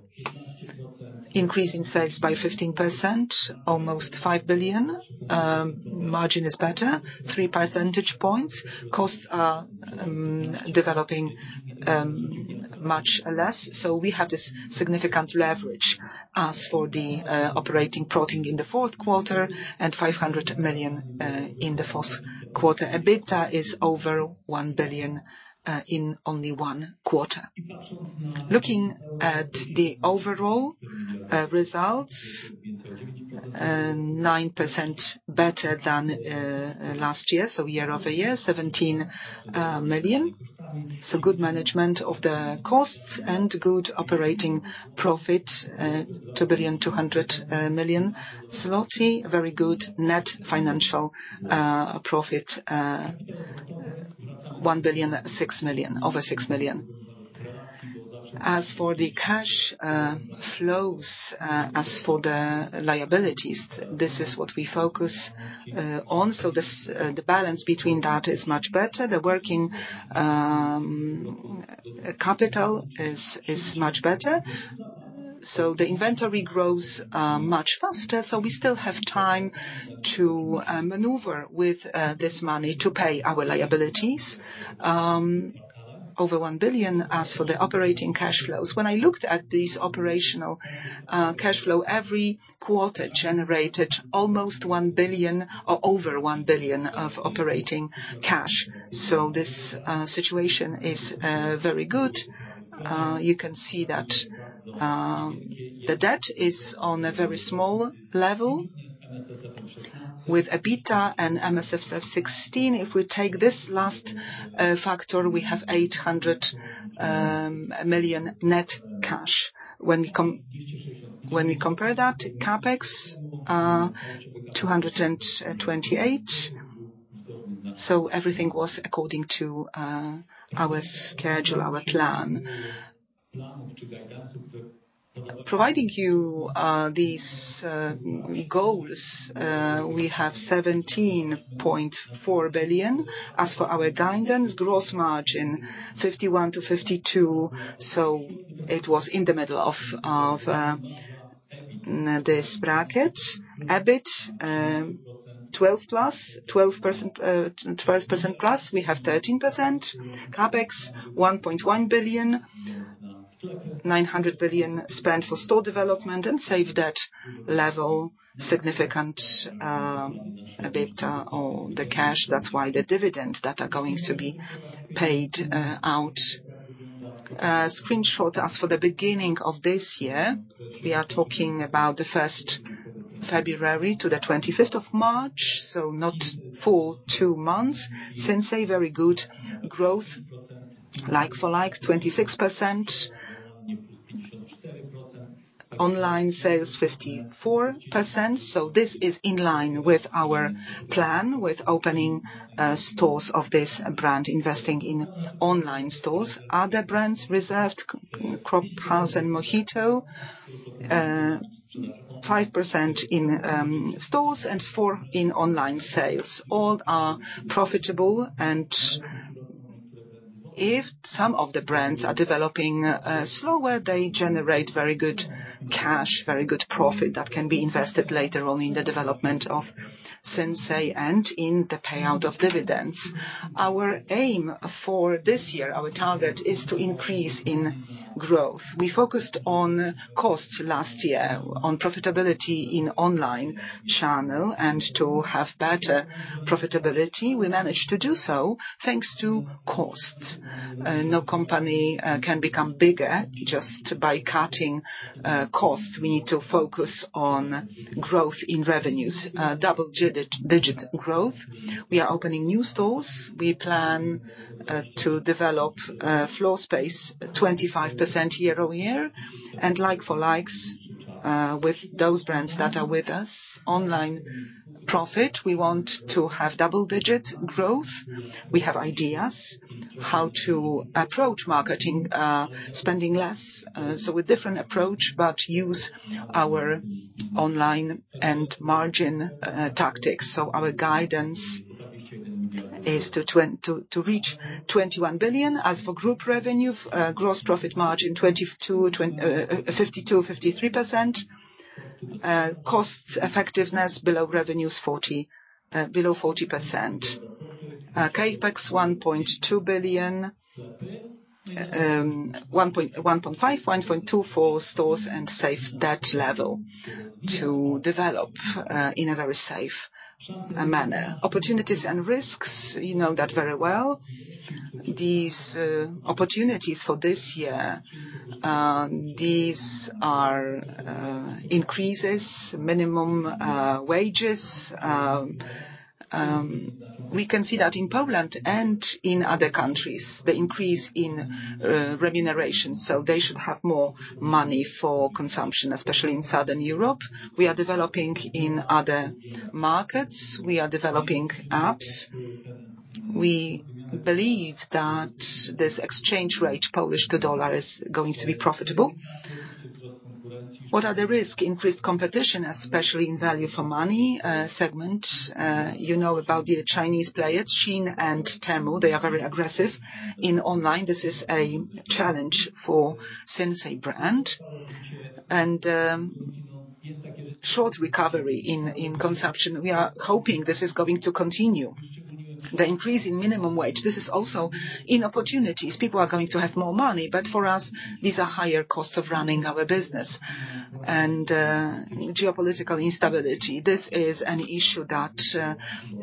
increase in sales by 15%, almost 5 billion. Margin is better, three percentage points. Costs are, developing, much less, so we have this significant leverage. As for the, operating profit in the fourth quarter and 500 million, in the first quarter. EBITDA is over 1 billion in only one quarter. Looking at the overall results, 9% better than last year, so year-over-year, 17 million. So good management of the costs and good operating profit, 2,200,000,000. Very good net financial profit, 1 billion, 6 million, over 6 million. As for the cash flows, as for the liabilities, this is what we focus on. So this, the balance between that is much better. The working capital is much better, so the inventory grows much faster. So we still have time to maneuver with this money to pay our liabilities, over 1 billion as for the operating cash flows. When I looked at these operational cash flow, every quarter generated almost 1 billion or over 1 billion of operating cash. So this situation is very good. You can see that the debt is on a very small level with EBITDA and IFRS 16. If we take this last factor, we have 800 million net cash. When we compare that, CapEx 228 million, so everything was according to our schedule, our plan. Providing you these goals, we have 17.4 billion. As for our guidance, gross margin 51%-52%, so it was in the middle of this bracket. EBIT 12%+, 12%+, we have 13%. CapEx, 1.1 billion, 900 million spent for store development and that saved that level significantly, a bit on the cash. That's why the dividends that are going to be paid out. So, as for the beginning of this year, we are talking about the first of February to the 25th of March, so not full two months. Sinsay, very good growth, like-for-like 26%. Online sales 54%, so this is in line with our plan, with opening stores of this brand, investing in online stores. Other brands, Reserved, Cropp, House, and MOHITO, 5% in stores and 4% in online sales. All are profitable, and if some of the brands are developing slower, they generate very good cash, very good profit that can be invested later on in the development of Sinsay and in the payout of dividends. Our aim for this year, our target, is to increase in growth. We focused on costs last year, on profitability in online channel, and to have better profitability. We managed to do so thanks to costs. No company can become bigger just by cutting costs. We need to focus on growth in revenues, double-digit growth. We are opening new stores. We plan to develop floor space 25% year-over-year, and like-for-likes with those brands that are with us. Online profit, we want to have double-digit growth. We have ideas how to approach marketing, spending less, so a different approach, but use our online and margin tactics. So our guidance is to reach 21 billion. As for group revenue, gross profit margin 52%-53%. Cost effectiveness below revenues 40%, below 40%. CapEx PLN 1.2 billion, 1.5 billion, 1.2 billion for stores and safe debt level to develop in a very safe manner. Opportunities and risks, you know that very well. These opportunities for this year, these are increases minimum wages. We can see that in Poland and in other countries, the increase in remuneration, so they should have more money for consumption, especially in Southern Europe. We are developing in other markets. We are developing apps. We believe that this exchange rate, Polish to dollar, is going to be profitable. What are the risk? Increased competition, especially in value for money segment. You know about the Chinese players, Shein and Temu, they are very aggressive in online. This is a challenge for Sinsay brand. Short recovery in consumption, we are hoping this is going to continue. The increase in minimum wage, this is also an opportunity. People are going to have more money, but for us, these are higher costs of running our business. Geopolitical instability, this is an issue that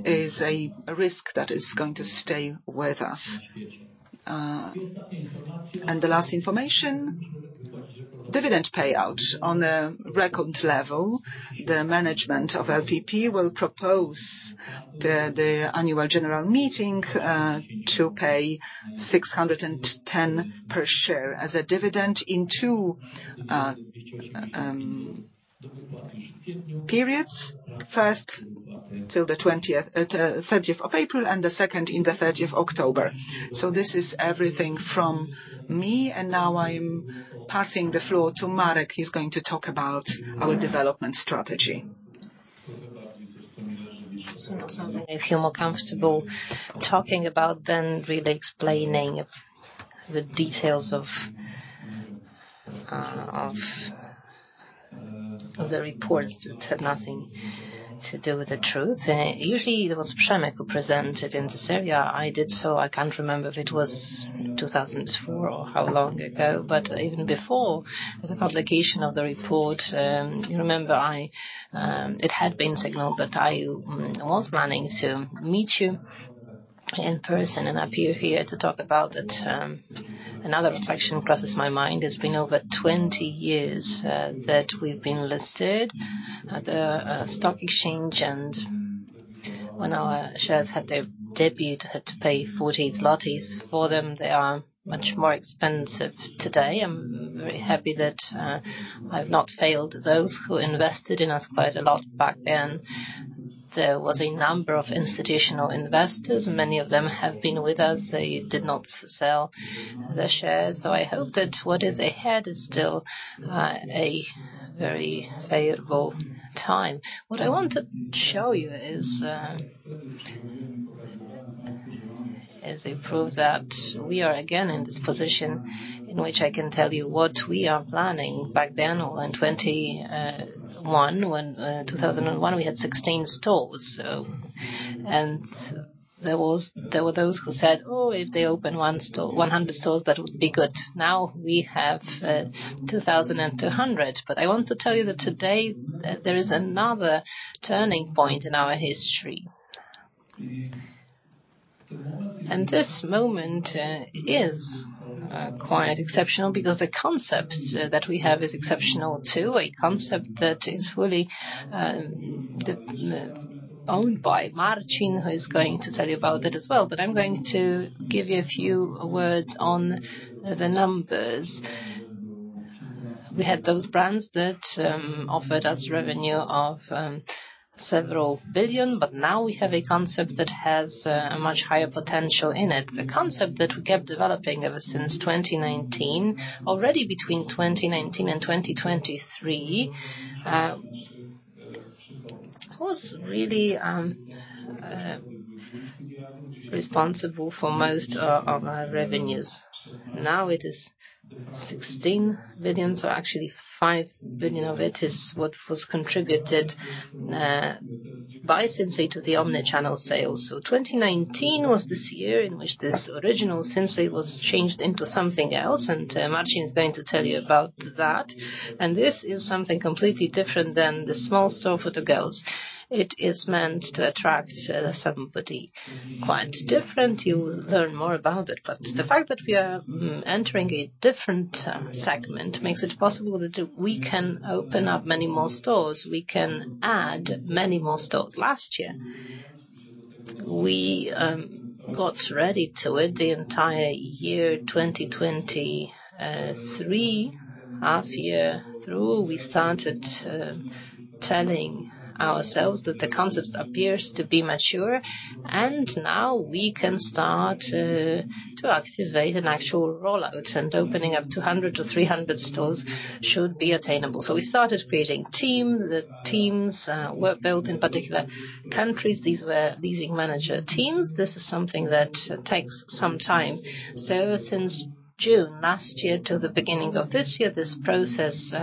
is a risk that is going to stay with us. And the last information, dividend payout. On a record level, the management of LPP will propose the annual general meeting to pay 610 per share as a dividend in two periods. First, till the 30th of April, and the second in the 30th of October. So this is everything from me, and now I'm passing the floor to Marek. He's going to talk about our development strategy. This is not something I feel more comfortable talking about than really explaining the details of the reports that had nothing to do with the truth. Usually, there was Przemek who presented in this area. I did, so I can't remember if it was 2004 or how long ago. But even before the publication of the report, you remember, I... It had been signaled that I was planning to meet you in person and appear here to talk about it. Another reflection crosses my mind. It's been over 20 years that we've been listed at the stock exchange, and when our shares had their debut, had to pay 40 zlotys for them. They are much more expensive today. I'm very happy that I've not failed those who invested in us quite a lot back then. There was a number of institutional investors. Many of them have been with us. They did not sell their shares, so I hope that what is ahead is still a very favorable time. What I want to show you is a proof that we are again in this position, in which I can tell you what we are planning. Back then, in 2021, when in 2001, we had 16 stores. So there were those who said, "Oh, if they open one store, 100 stores, that would be good." Now, we have 2,200. But I want to tell you that today, there is another turning point in our history. This moment is quite exceptional because the concept that we have is exceptional, too. A concept that is fully owned by Marcin, who is going to tell you about it as well. But I'm going to give you a few words on the numbers. We had those brands that offered us revenue of several billion PLN, but now we have a concept that has a much higher potential in it. The concept that we kept developing ever since 2019, already between 2019 and 2023, was really responsible for most of our revenues. Now, it is 16 billion, so actually 5 billion of it is what was contributed by Sinsay to the omni-channel sales. So 2019 was this year in which this original Sinsay was changed into something else, and Marcin is going to tell you about that. This is something completely different than the small store for the girls. It is meant to attract somebody quite different. You'll learn more about it, but the fact that we are entering a different segment makes it possible that we can open up many more stores. We can add many more stores. Last year, we got ready to it the entire year, 2023. Half year through, we started telling ourselves that the concept appears to be mature, and now we can start to activate an actual rollout, and opening up 200-300 stores should be attainable. So we started creating team. The teams were built in particular countries. These were leasing manager teams. This is something that takes some time. So since June last year to the beginning of this year, this process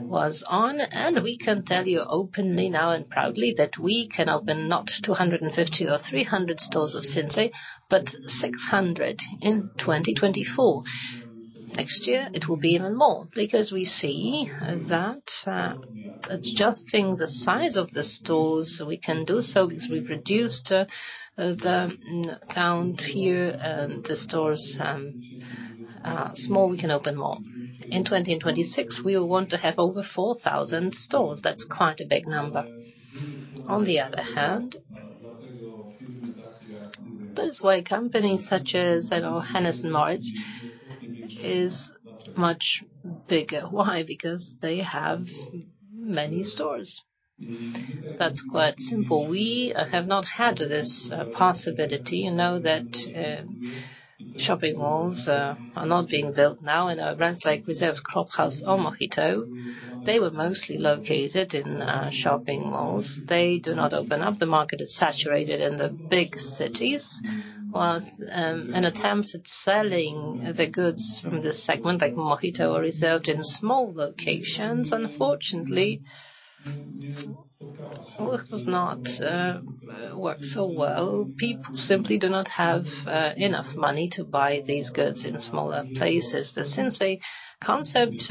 was on, and we can tell you openly now and proudly that we can open not 250 or 300 stores of Sinsay, but 600 in 2024. Next year, it will be even more, because we see that, adjusting the size of the stores, we can do so because we reduced the count here, and the stores small, we can open more. In 2026, we will want to have over 4,000 stores. That's quite a big number. On the other hand, that is why companies such as, I know, Hennes & Mauritz is much bigger. Why? Because they have many stores. That's quite simple. We have not had this possibility. You know, that shopping malls are not being built now, and our brands like Reserved, Cropp, or MOHITO, they were mostly located in shopping malls. They do not open up. The market is saturated in the big cities, while an attempt at selling the goods from this segment, like MOHITO or Reserved in small locations, unfortunately, does not work so well. People simply do not have enough money to buy these goods in smaller places. The Sinsay concept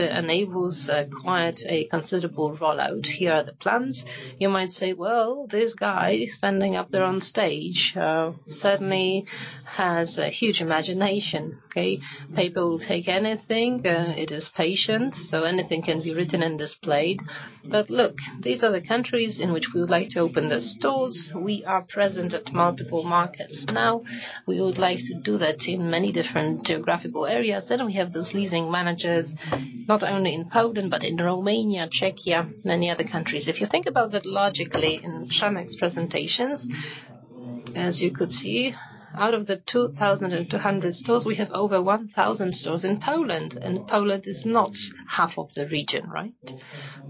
enables quite a considerable rollout. Here are the plans. You might say, "Well, this guy standing up there on stage certainly has a huge imagination." Okay, people will take anything. It is PowerPoint, so anything can be written and displayed. But look, these are the countries in which we would like to open the stores. We are present at multiple markets now. We would like to do that in many different geographical areas. Then we have those leasing managers, not only in Poland, but in Romania, Czechia, many other countries. If you think about that logically in [Shamek's] presentations, as you could see, out of the 2,200 stores, we have over 1,000 stores in Poland, and Poland is not half of the region, right?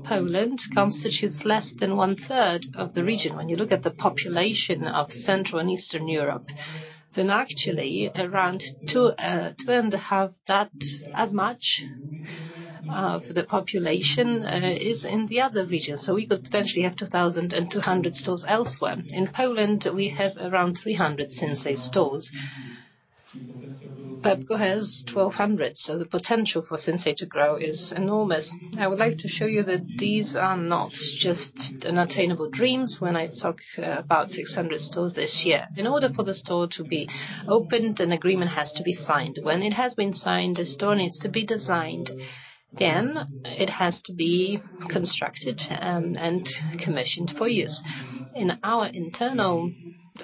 Poland constitutes less than one-third of the region. When you look at the population of Central and Eastern Europe, then actually, around two, two and a half that as much, of the population, is in the other regions. So we could potentially have 2,200 stores elsewhere. In Poland, we have around 300 Sinsay stores, but [House] has 1,200, so the potential for Sinsay to grow is enormous. I would like to show you that these are not just unattainable dreams when I talk about 600 stores this year. In order for the store to be opened, an agreement has to be signed. When it has been signed, the store needs to be designed. Then it has to be constructed and commissioned for use. In our internal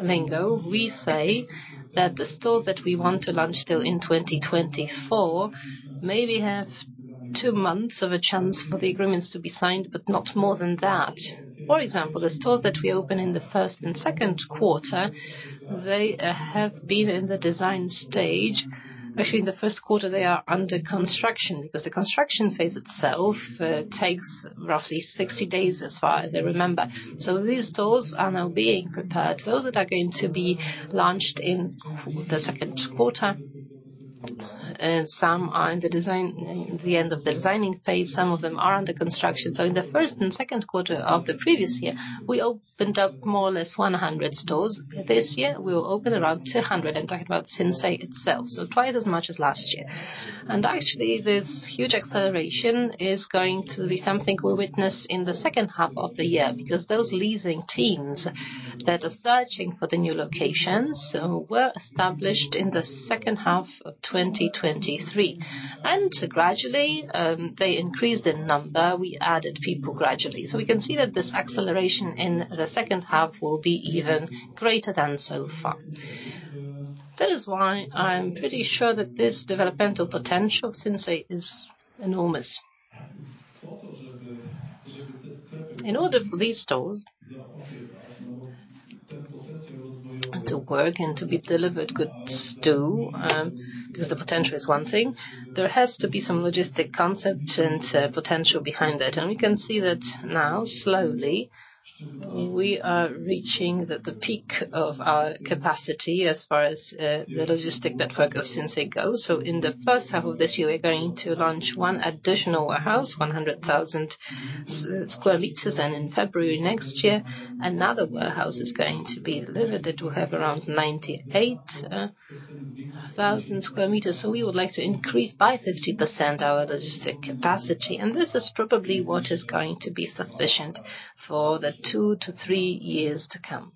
lingo, we say that the store that we want to launch still in 2024 maybe have two months of a chance for the agreements to be signed, but not more than that. For example, the stores that we open in the first and second quarter, they have been in the design stage. Actually, in the first quarter, they are under construction, because the construction phase itself takes roughly 60 days, as far as I remember. So these stores are now being prepared. Those that are going to be launched in the second quarter, some are in the design, the end of the designing phase, some of them are under construction. So in the first and second quarter of the previous year, we opened up more or less 100 stores. This year, we will open around 200, I'm talking about Sinsay itself, so twice as much as last year. And actually, this huge acceleration is going to be something we'll witness in the second half of the year, because those leasing teams that are searching for the new locations were established in the second half of 2023. And gradually, they increased in number. We added people gradually. So we can see that this acceleration in the second half will be even greater than so far. That is why I'm pretty sure that this developmental potential of Sinsay is enormous. In order for these stores to work and to be delivered goods to, because the potential is one thing, there has to be some logistic concept and potential behind it. We can see that now, slowly, we are reaching the peak of our capacity as far as the logistic network of Sinsay goes. In the first half of this year, we're going to launch one additional warehouse, 100,000 sq m, and in February next year, another warehouse is going to be delivered. It will have around 98,000 sq m. We would like to increase by 50% our logistic capacity, and this is probably what is going to be sufficient for the two to three years to come.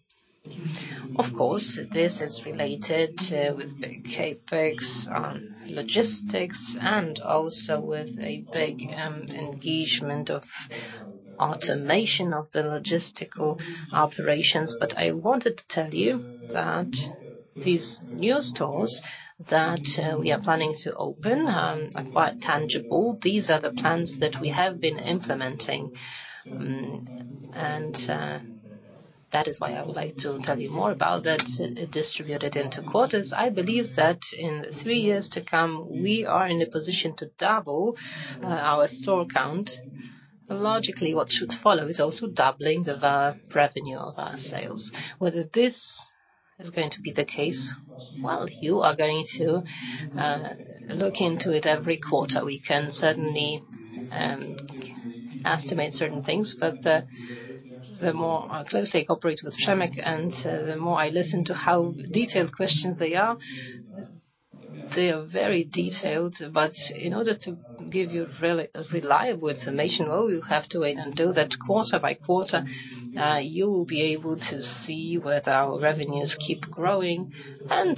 Of course, this is related with big CapEx on logistics and also with a big engagement of automation of the logistical operations. But I wanted to tell you that. These new stores that we are planning to open are quite tangible. These are the plans that we have been implementing, and that is why I would like to tell you more about that, distributed into quarters. I believe that in three years to come, we are in a position to double our store count. Logically, what should follow is also doubling of our revenue, of our sales. Whether this is going to be the case, well, you are going to look into it every quarter. We can certainly estimate certain things, but the more I closely cooperate with Przemek, and the more I listen to how detailed questions they are, they are very detailed. But in order to give you reliable information, well, you have to wait and do that quarter by quarter. You will be able to see whether our revenues keep growing. And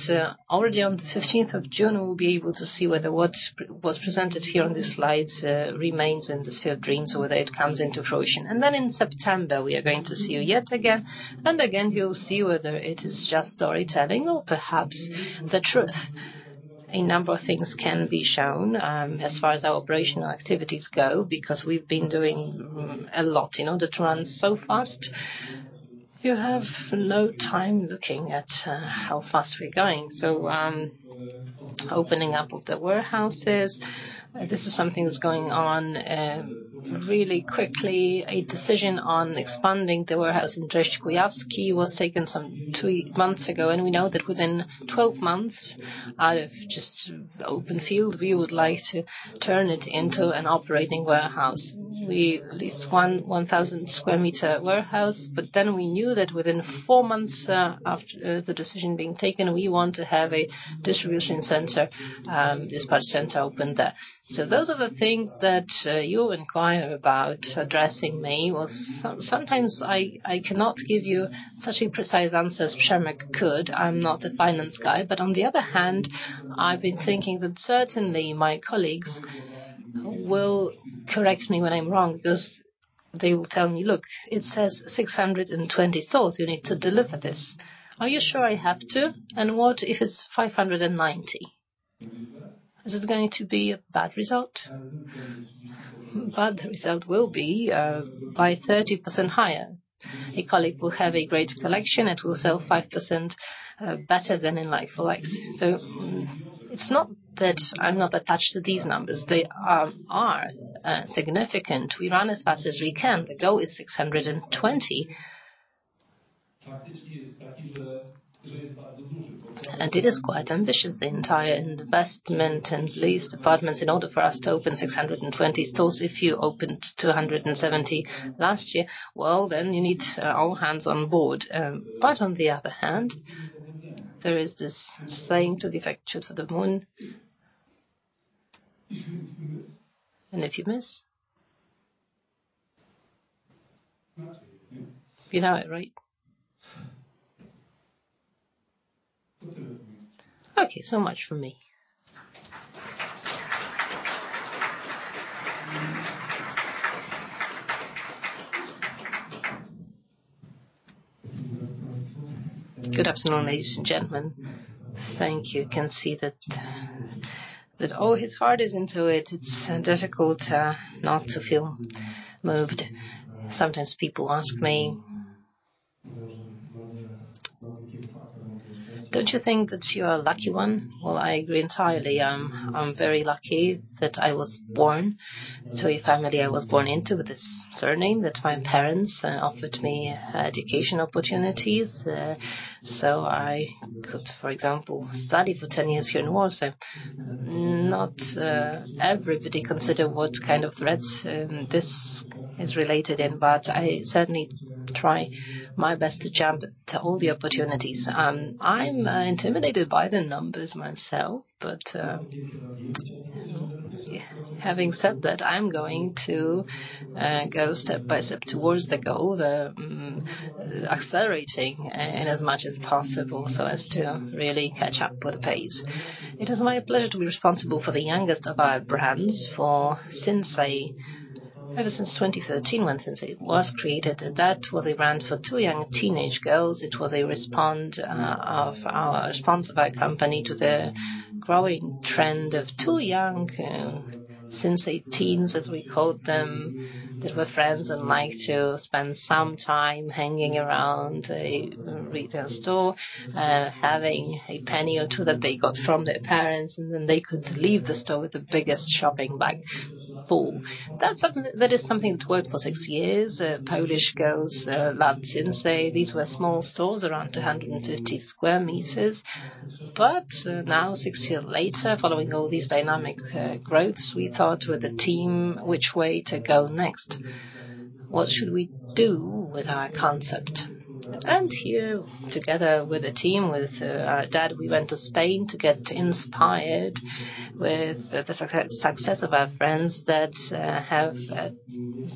already on the 15th of June, we'll be able to see whether what was presented here on the slides remains in the sphere of dreams, or whether it comes into fruition. And then in September, we are going to see you yet again, and again, you'll see whether it is just storytelling or perhaps the truth. A number of things can be shown, as far as our operational activities go, because we've been doing a lot. In order to run so fast, you have no time looking at how fast we're going. So, opening up of the warehouses, this is something that's going on really quickly. A decision on expanding the warehouse in Brześciu Kujawskim was taken some three months ago, and we know that within 12 months, out of just open field, we would like to turn it into an operating warehouse. We leased 1,000 sq m warehouse, but then we knew that within four months, after the decision being taken, we want to have a distribution center, dispatch center open there. So those are the things that you inquire about addressing me. Well, sometimes I cannot give you such a precise answer as Przemek could. I'm not a finance guy. But on the other hand, I've been thinking that certainly my colleagues will correct me when I'm wrong, 'cause they will tell me, "Look, it says 620 stores. You need to deliver this." Are you sure I have to? And what if it's 590? Is this going to be a bad result? Bad result will be by 30% higher. A colleague will have a great collection, it will sell 5% better than in Like for Like. So it's not that I'm not attached to these numbers, they are significant. We run as fast as we can. The goal is 620. It is quite ambitious, the entire investment and leased apartments, in order for us to open 620 stores, if you opened 270 last year, well, then you need all hands on board. But on the other hand, there is this saying, to the effect, shoot for the moon, and if you miss? You know it, right? Okay, so much from me. Good afternoon, ladies and gentlemen. Thank you. You can see that all his heart is into it. It's difficult not to feel moved. Sometimes people ask me, "Don't you think that you are a lucky one?" Well, I agree entirely. I'm very lucky that I was born to a family I was born into, with this surname, that my parents offered me education opportunities. So I could, for example, study for 10 years here in Warsaw. Not everybody consider what kind of threads this is related in, but I certainly try my best to jump to all the opportunities. I'm intimidated by the numbers myself, but, having said that, I'm going to go step by step towards the goal, the accelerating in as much as possible, so as to really catch up with the pace. It is my pleasure to be responsible for the youngest of our brands for Sinsay. Ever since 2013, when Sinsay was created, that was a brand for two young teenage girls. It was a response of our company to the growing trend of two young Sinsay teens, as we called them, that were friends and liked to spend some time hanging around a retail store, having a penny or two that they got from their parents, and then they could leave the store with the biggest shopping bag full. That is something that worked for six years. Polish girls loved Sinsay. These were small stores, around 250 square meters. But now, six years later, following all these dynamic growths, we thought with the team, which way to go next? What should we do with our concept? Here, together with the team, with Dad, we went to Spain to get inspired with the success of our friends that have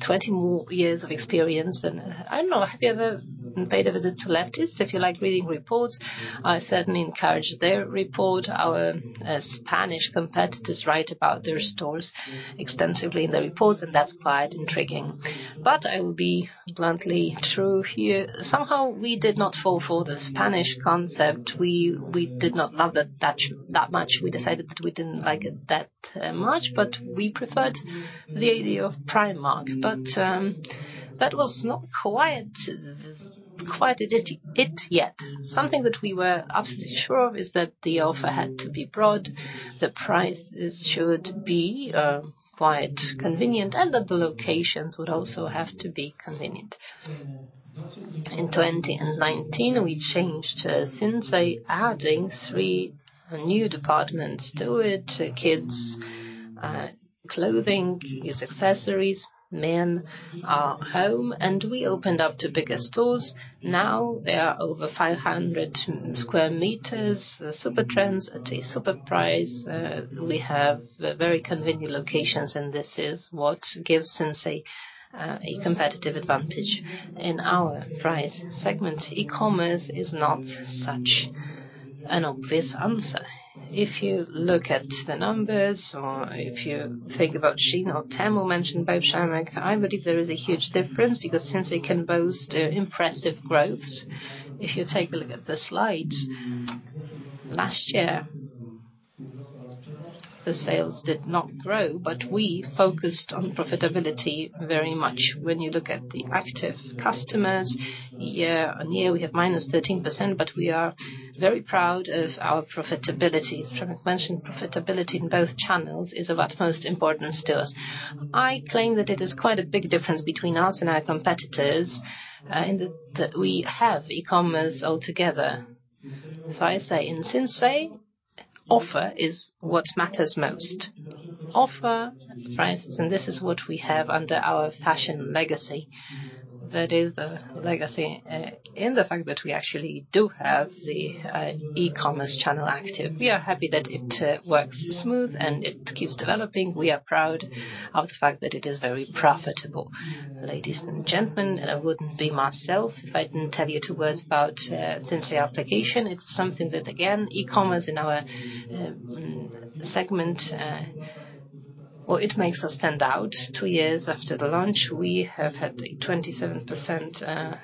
20 more years of experience than... I don't know, have you ever paid a visit to Lefties? If you like reading reports, I certainly encourage their report. Our Spanish competitors write about their stores extensively in the reports, and that's quite intriguing. But I will be bluntly true here. Somehow, we did not fall for the Spanish concept. We, we did not love that that much. We decided that we didn't like it that much, but we preferred the idea of Primark. But that was not quite it yet. Something that we were absolutely sure of, is that the offer had to be broad, the prices should be quite convenient, and that the locations would also have to be convenient. In 2019, we changed Sinsay, adding three new departments to it. Kids clothing, kids accessories, men home, and we opened up to bigger stores. Now they are over 500 sq m. Super trends at a super price. We have very convenient locations, and this is what gives Sinsay a competitive advantage. In our price segment, e-commerce is not such an obvious answer. If you look at the numbers or if you think about Shein or Temu, mentioned by Przemek, I believe there is a huge difference because Sinsay can boast impressive growth. If you take a look at the slides, last year, the sales did not grow, but we focused on profitability very much. When you look at the active customers, year-on-year, we have -13%, but we are very proud of our profitability. Przemek mentioned profitability in both channels is of utmost importance to us. I claim that it is quite a big difference between us and our competitors in that we have e-commerce altogether. So I say, in Sinsay, offer is what matters most. Offer, prices, and this is what we have under our fashion legacy. That is the legacy in the fact that we actually do have the e-commerce channel active. We are happy that it works smooth and it keeps developing. We are proud of the fact that it is very profitable. Ladies and gentlemen, and I wouldn't be myself if I didn't tell you two words about Sinsay application. It's something that, again, e-commerce in our segment. Well, it makes us stand out. Two years after the launch, we have had a 27%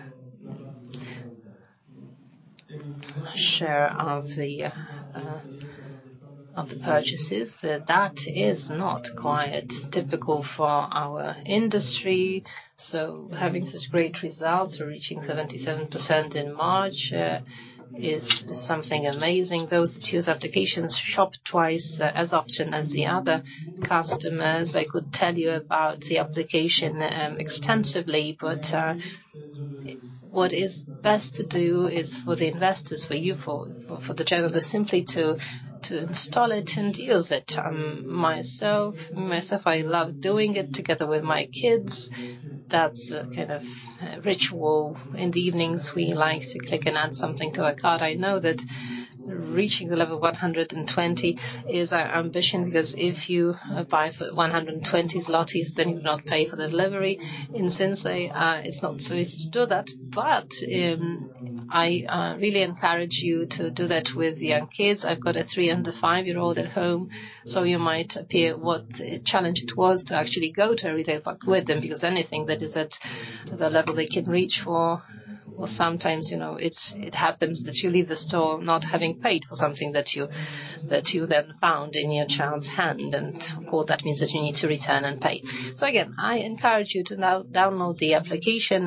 share of the purchases. That is not quite typical for our industry, so having such great results, reaching 77% in March, is something amazing. Those applications shop twice as often as the other customers. I could tell you about the application extensively, but what is best to do is for the investors, for you, for the general, is simply to install it and use it. Myself, I love doing it together with my kids. That's a kind of ritual. In the evenings, we like to click and add something to our cart. I know that reaching the level 120 is our ambition, because if you buy for 120 zlotys, then you not pay for the delivery. In Sinsay, it's not so easy to do that, but I really encourage you to do that with young kids. I've got a three and a five-year-old at home, so you might appear what a challenge it was to actually go to a retail park with them. Because anything that is at the level they can reach for, or sometimes, you know, it happens that you leave the store not having paid for something that you then found in your child's hand, and all that means is you need to return and pay. So again, I encourage you to now download the application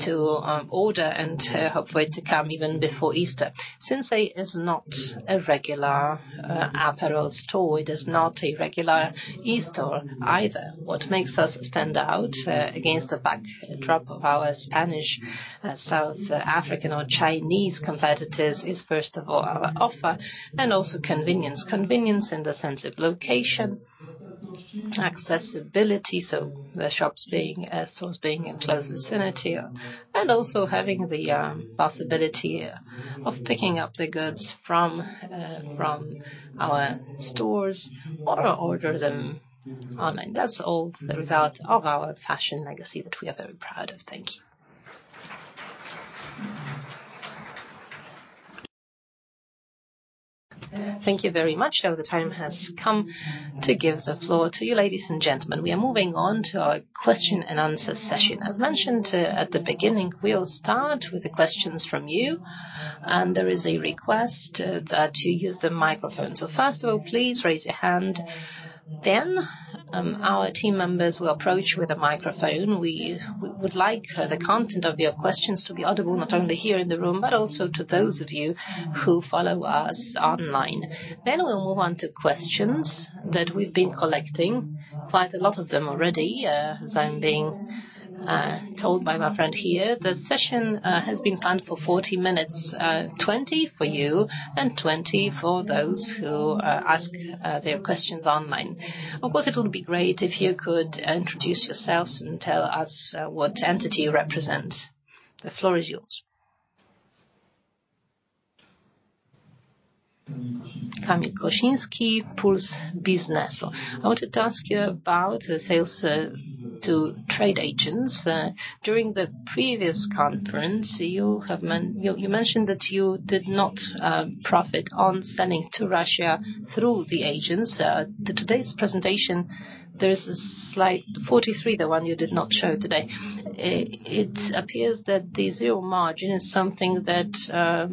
to order and hopefully to come even before Easter. Sinsay is not a regular apparel store. It is not a regular e-store either. What makes us stand out against the backdrop of our Spanish, South African or Chinese competitors is, first of all, our offer and also convenience. Convenience in the sense of location, accessibility, so the shops being stores being in close vicinity, and also having the possibility of picking up the goods from our stores or order them online. That's all the result of our fashion legacy that we are very proud of. Thank you. Thank you very much. Now, the time has come to give the floor to you, ladies and gentlemen. We are moving on to our question-and-answer session. As mentioned, at the beginning, we'll start with the questions from you, and there is a request that you use the microphone. So first of all, please raise your hand, then our team members will approach with a microphone. We would like for the content of your questions to be audible, not only here in the room, but also to those of you who follow us online. Then we'll move on to questions that we've been collecting, quite a lot of them already, as I'm being told by my friend here. The session has been planned for 40 minutes, 20 minutes for you and 20 minutes for those who ask their questions online. Of course, it would be great if you could introduce yourselves and tell us what entity you represent. The floor is yours. Kamil Kosiński, Puls Biznesu. I wanted to ask you about sales to trade agents. During the previous conference, you mentioned that you did not profit on selling to Russia through the agents. Today's presentation, there is a slide, 43, the one you did not show today. It appears that the zero margin is something that are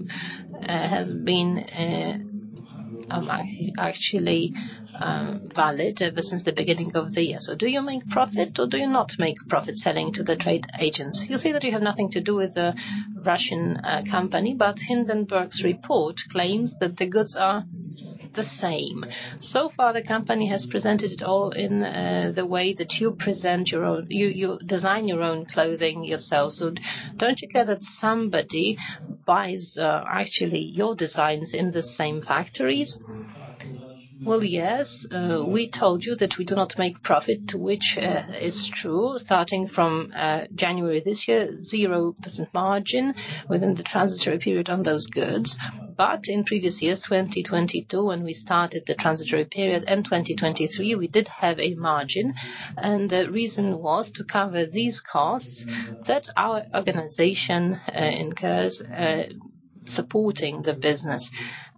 actually valid ever since the beginning of the year. So do you make profit or do you not make profit selling to the trade agents? You say that you have nothing to do with the Russian company, but Hindenburg's report claims that the goods are the same. So far, the company has presented it all in the way that you design your own clothing yourselves. So don't you care that somebody buys, actually your designs in the same factories? Well, yes, we told you that we do not make profit, which is true. Starting from January this year, 0% margin within the transitory period on those goods. But in previous years, 2022, when we started the transitory period, and 2023, we did have a margin, and the reason was to cover these costs that our organization incurs supporting the business.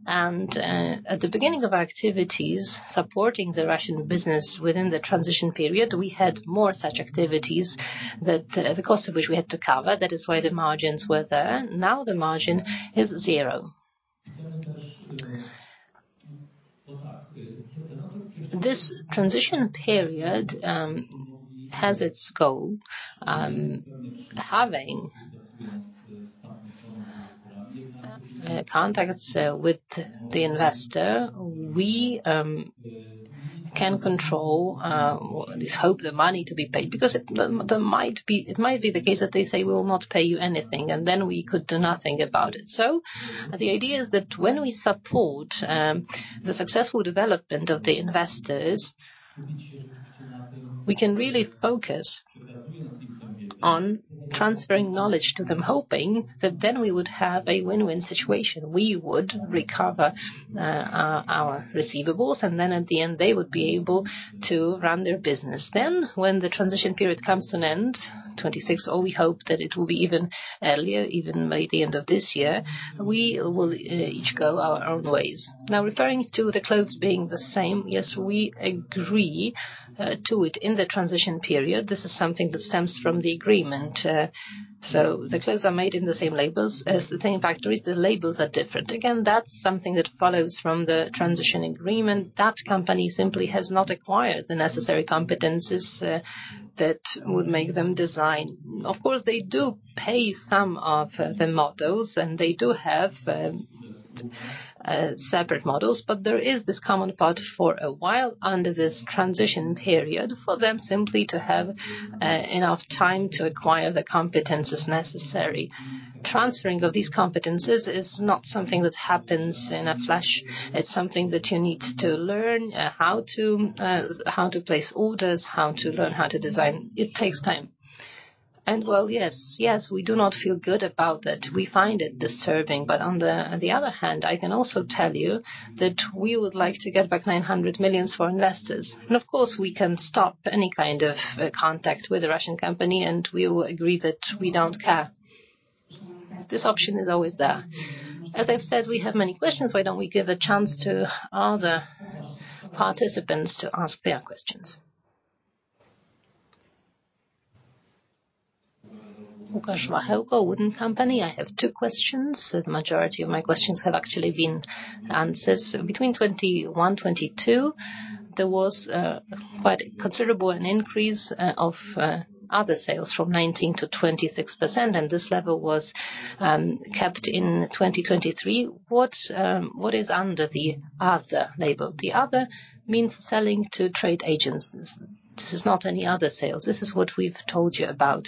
At the beginning of our activities, supporting the Russian business within the transition period, we had more such activities that the cost of which we had to cover. That is why the margins were there. Now, the margin is zero. This transition period has its goal. Having contacts with the investor, we can control at least hope the money to be paid, because it might be the case that they say, "We will not pay you anything," and then we could do nothing about it. So the idea is that when we support the successful development of the investors, we can really focus on transferring knowledge to them, hoping that then we would have a win-win situation. We would recover our receivables, and then at the end, they would be able to run their business. Then, when the transition period comes to an end, 2026, or we hope that it will be even earlier, even by the end of this year, we will each go our own ways. Now, referring to the clothes being the same, yes, we agree to it in the transition period. This is something that stems from the agreement. So the clothes are made in the same labels as the same factories. The labels are different. Again, that's something that follows from the transition agreement. That company simply has not acquired the necessary competencies that would make them design. Of course, they do pay some of the models, and they do have separate models, but there is this common part for a while under this transition period for them simply to have enough time to acquire the competencies necessary. Transferring of these competencies is not something that happens in a flash. It's something that you need to learn how to place orders, how to learn how to design. It takes time. Well, yes, yes, we do not feel good about it. We find it disturbing. But on the other hand, I can also tell you that we would like to get back 900 million for investors. And of course, we can stop any kind of contact with the Russian company, and we will agree that we don't care. This option is always there. As I've said, we have many questions. Why don't we give a chance to other participants to ask their questions? Łukasz Wachełko, WOOD & Company. I have two questions. The majority of my questions have actually been answered. So between 2021 and 2022, there was quite considerable an increase of other sales from 19% to 26%, and this level was kept in 2023. What is under the other label? The other means selling to trade agents. This is not any other sales. This is what we've told you about.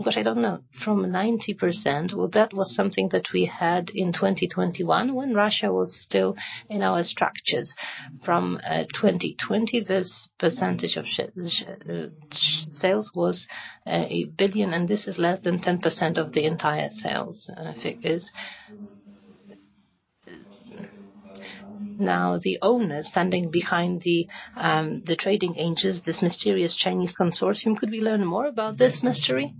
But I don't know, from 90%? Well, that was something that we had in 2021, when Russia was still in our structures. From 2020, this percentage of sales was 1 billion, and this is less than 10% of the entire sales figures. Now, the owner standing behind the trading agents, this mysterious Chinese consortium, could we learn more about this mystery?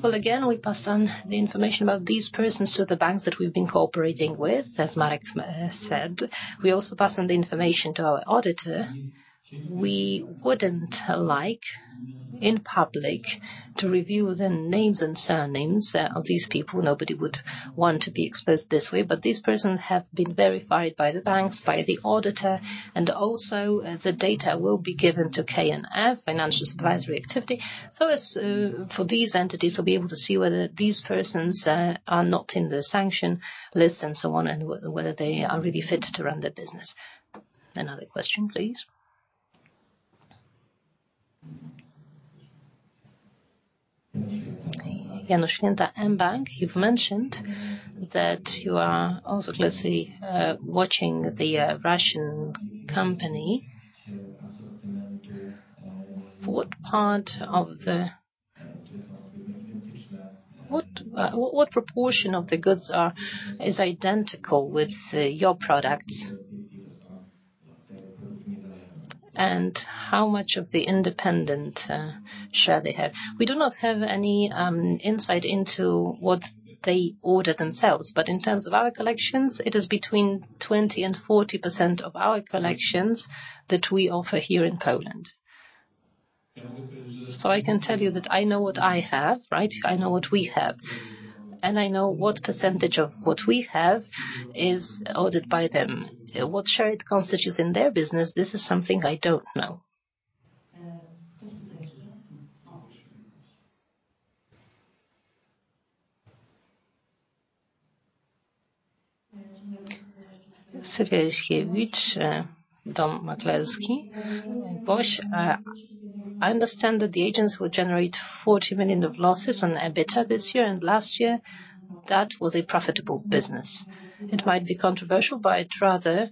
Well, again, we passed on the information about these persons to the banks that we've been cooperating with, as Marek said. We also passed on the information to our auditor. We wouldn't like, in public, to review the names and surnames of these people. Nobody would want to be exposed this way. But these persons have been verified by the banks, by the auditor, and also, the data will be given to KNF, Financial Supervisory Authority. So as for these entities will be able to see whether these persons are not in the sanction list and so on, and whether they are really fit to run the business. Another question, please. [Janusz Szkopek], mBank. You've mentioned that you are also closely watching the Russian company. What part of the, what proportion of the goods are is identical with your products? And how much of the independent share they have? We do not have any insight into what they order themselves, but in terms of our collections, it is between 20%-40% of our collections that we offer here in Poland. So I can tell you that I know what I have, right? I know what we have, and I know what percentage of what we have is owned by them. What share it constitutes in their business, this is something I don't know. I understand that the agents will generate 40 million of losses on EBITDA this year, and last year, that was a profitable business. It might be controversial, but I'd rather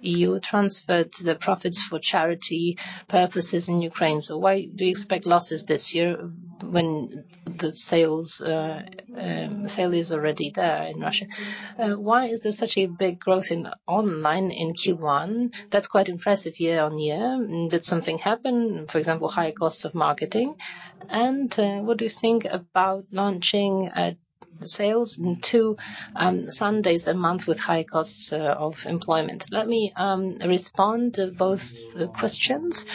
you transferred the profits for charity purposes in Ukraine. So why do you expect losses this year when the sales, sale is already there in Russia? Why is there such a big growth in online in Q1? That's quite impressive year-on-year. Did something happen, for example, higher costs of marketing? And what do you think about launching sales into Sundays a month with high costs of employment? Let me respond to both questions.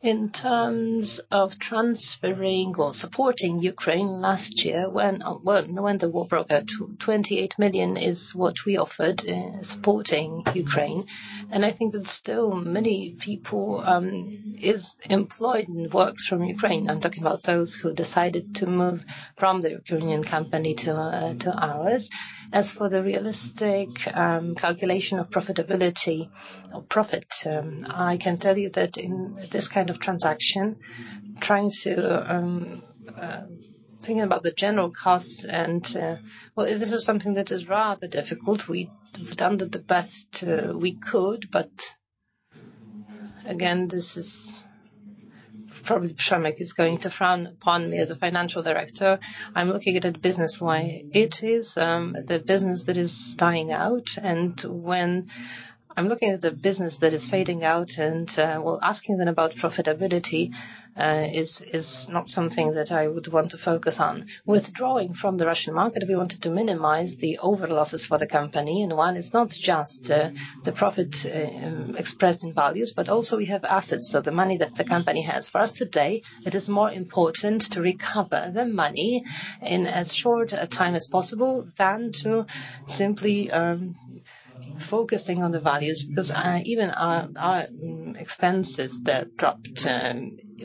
In terms of transferring or supporting Ukraine last year, when, well, when the war broke out, 28 million is what we offered supporting Ukraine. And I think that still many people is employed and works from Ukraine. I'm talking about those who decided to move from the Ukrainian company to ours. As for the realistic calculation of profitability or profit, I can tell you that in this kind of transaction, trying to thinking about the general costs and, well, this is something that is rather difficult. We've done the best we could, but again, this is probably Przemek is going to frown upon me as a financial director. I'm looking at it business-wise. It is the business that is dying out, and when I'm looking at the business that is fading out, and well, asking them about profitability is not something that I would want to focus on. Withdrawing from the Russian market, we wanted to minimize the overall losses for the company, and one, it's not just the profit expressed in values, but also we have assets, so the money that the company has. For us today, it is more important to recover the money in as short a time as possible than to simply focusing on the values, because even our expenses that dropped.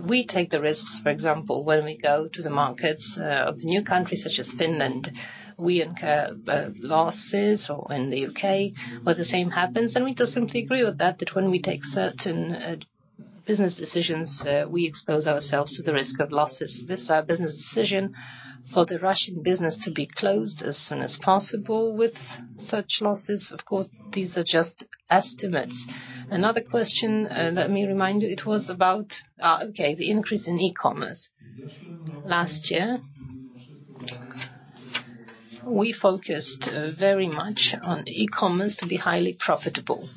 We take the risks, for example, when we go to the markets of new countries such as Finland, we incur losses, or in the U.K., where the same happens. We just simply agree with that, that when we take certain business decisions, we expose ourselves to the risk of losses. This is our business decision for the Russian business to be closed as soon as possible with such losses. Of course, these are just estimates. Another question, let me remind you, it was about, okay, the increase in e-commerce. Last year, we focused very much on e-commerce to be highly profitable.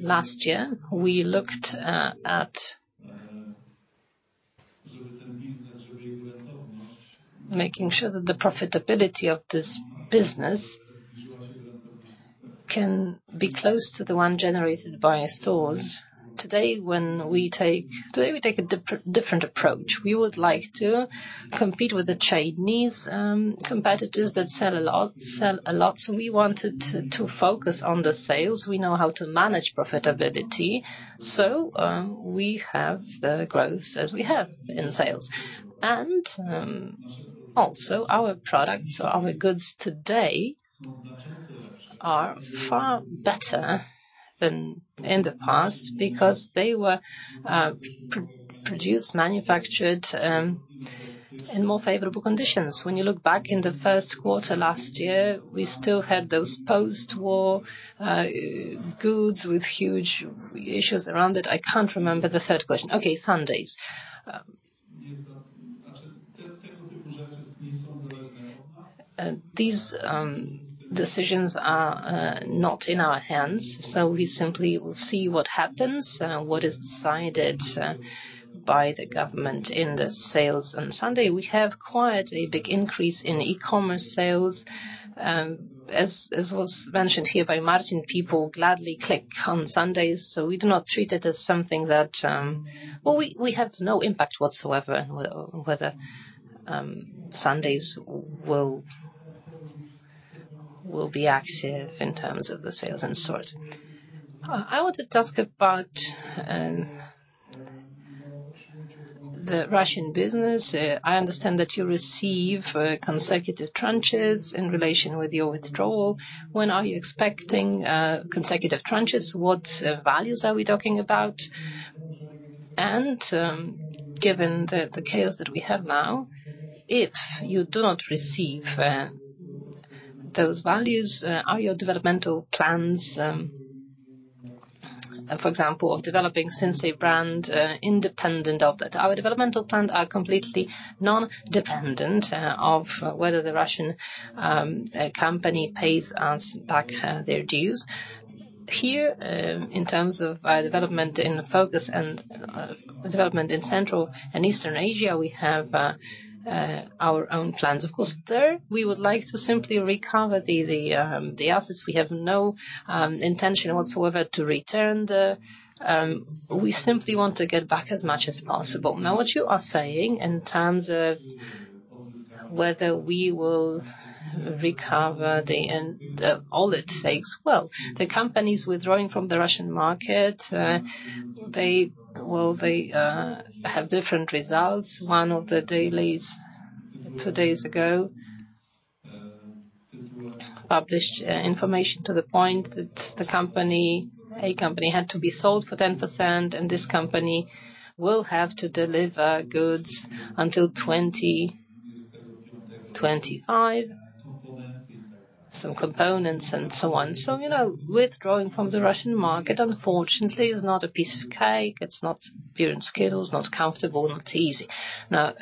Last year, we looked at making sure that the profitability of this business can be close to the one generated by stores. Today, we take a different approach. We would like to compete with the Chinese competitors that sell a lot, sell a lot, so we wanted to, to focus on the sales. We know how to manage profitability, so, we have the growth as we have in sales. And, also, our products or our goods today are far better than in the past because they were pre-produced, manufactured in more favorable conditions. When you look back in the first quarter last year, we still had those post-war goods with huge issues around it. I can't remember the third question. Okay, Sundays. These decisions are not in our hands, so we simply will see what happens, what is decided by the government in the sales. On Sunday, we have quite a big increase in e-commerce sales. As was mentioned here by Marcin, people gladly click on Sundays, so we do not treat it as something that... Well, we have no impact whatsoever whether Sundays will be active in terms of the sales in stores. I want to ask about the Russian business. I understand that you receive consecutive tranches in relation with your withdrawal. When are you expecting consecutive tranches? What values are we talking about? And, given the chaos that we have now, if you do not receive those values, are your developmental plans, for example, of developing Sinsay brand, independent of that? Our developmental plans are completely non-dependent of whether the Russian company pays us back their dues. Here, in terms of development in focus and development in Central and Eastern Asia, we have our own plans. Of course, there, we would like to simply recover the assets. We have no intention whatsoever to return the, we simply want to get back as much as possible. Now, what you are saying in terms of whether we will recover the and, all it takes. Well, the companies withdrawing from the Russian market, they, well, they, have different results. One of the dailies, two days ago, published, information to the point that the company, a company, had to be sold for 10%, and this company will have to deliver goods until 2025, some components and so on. So, you know, withdrawing from the Russian market, unfortunately, is not a piece of cake. It's not beer and skittles, not comfortable, not easy. Now,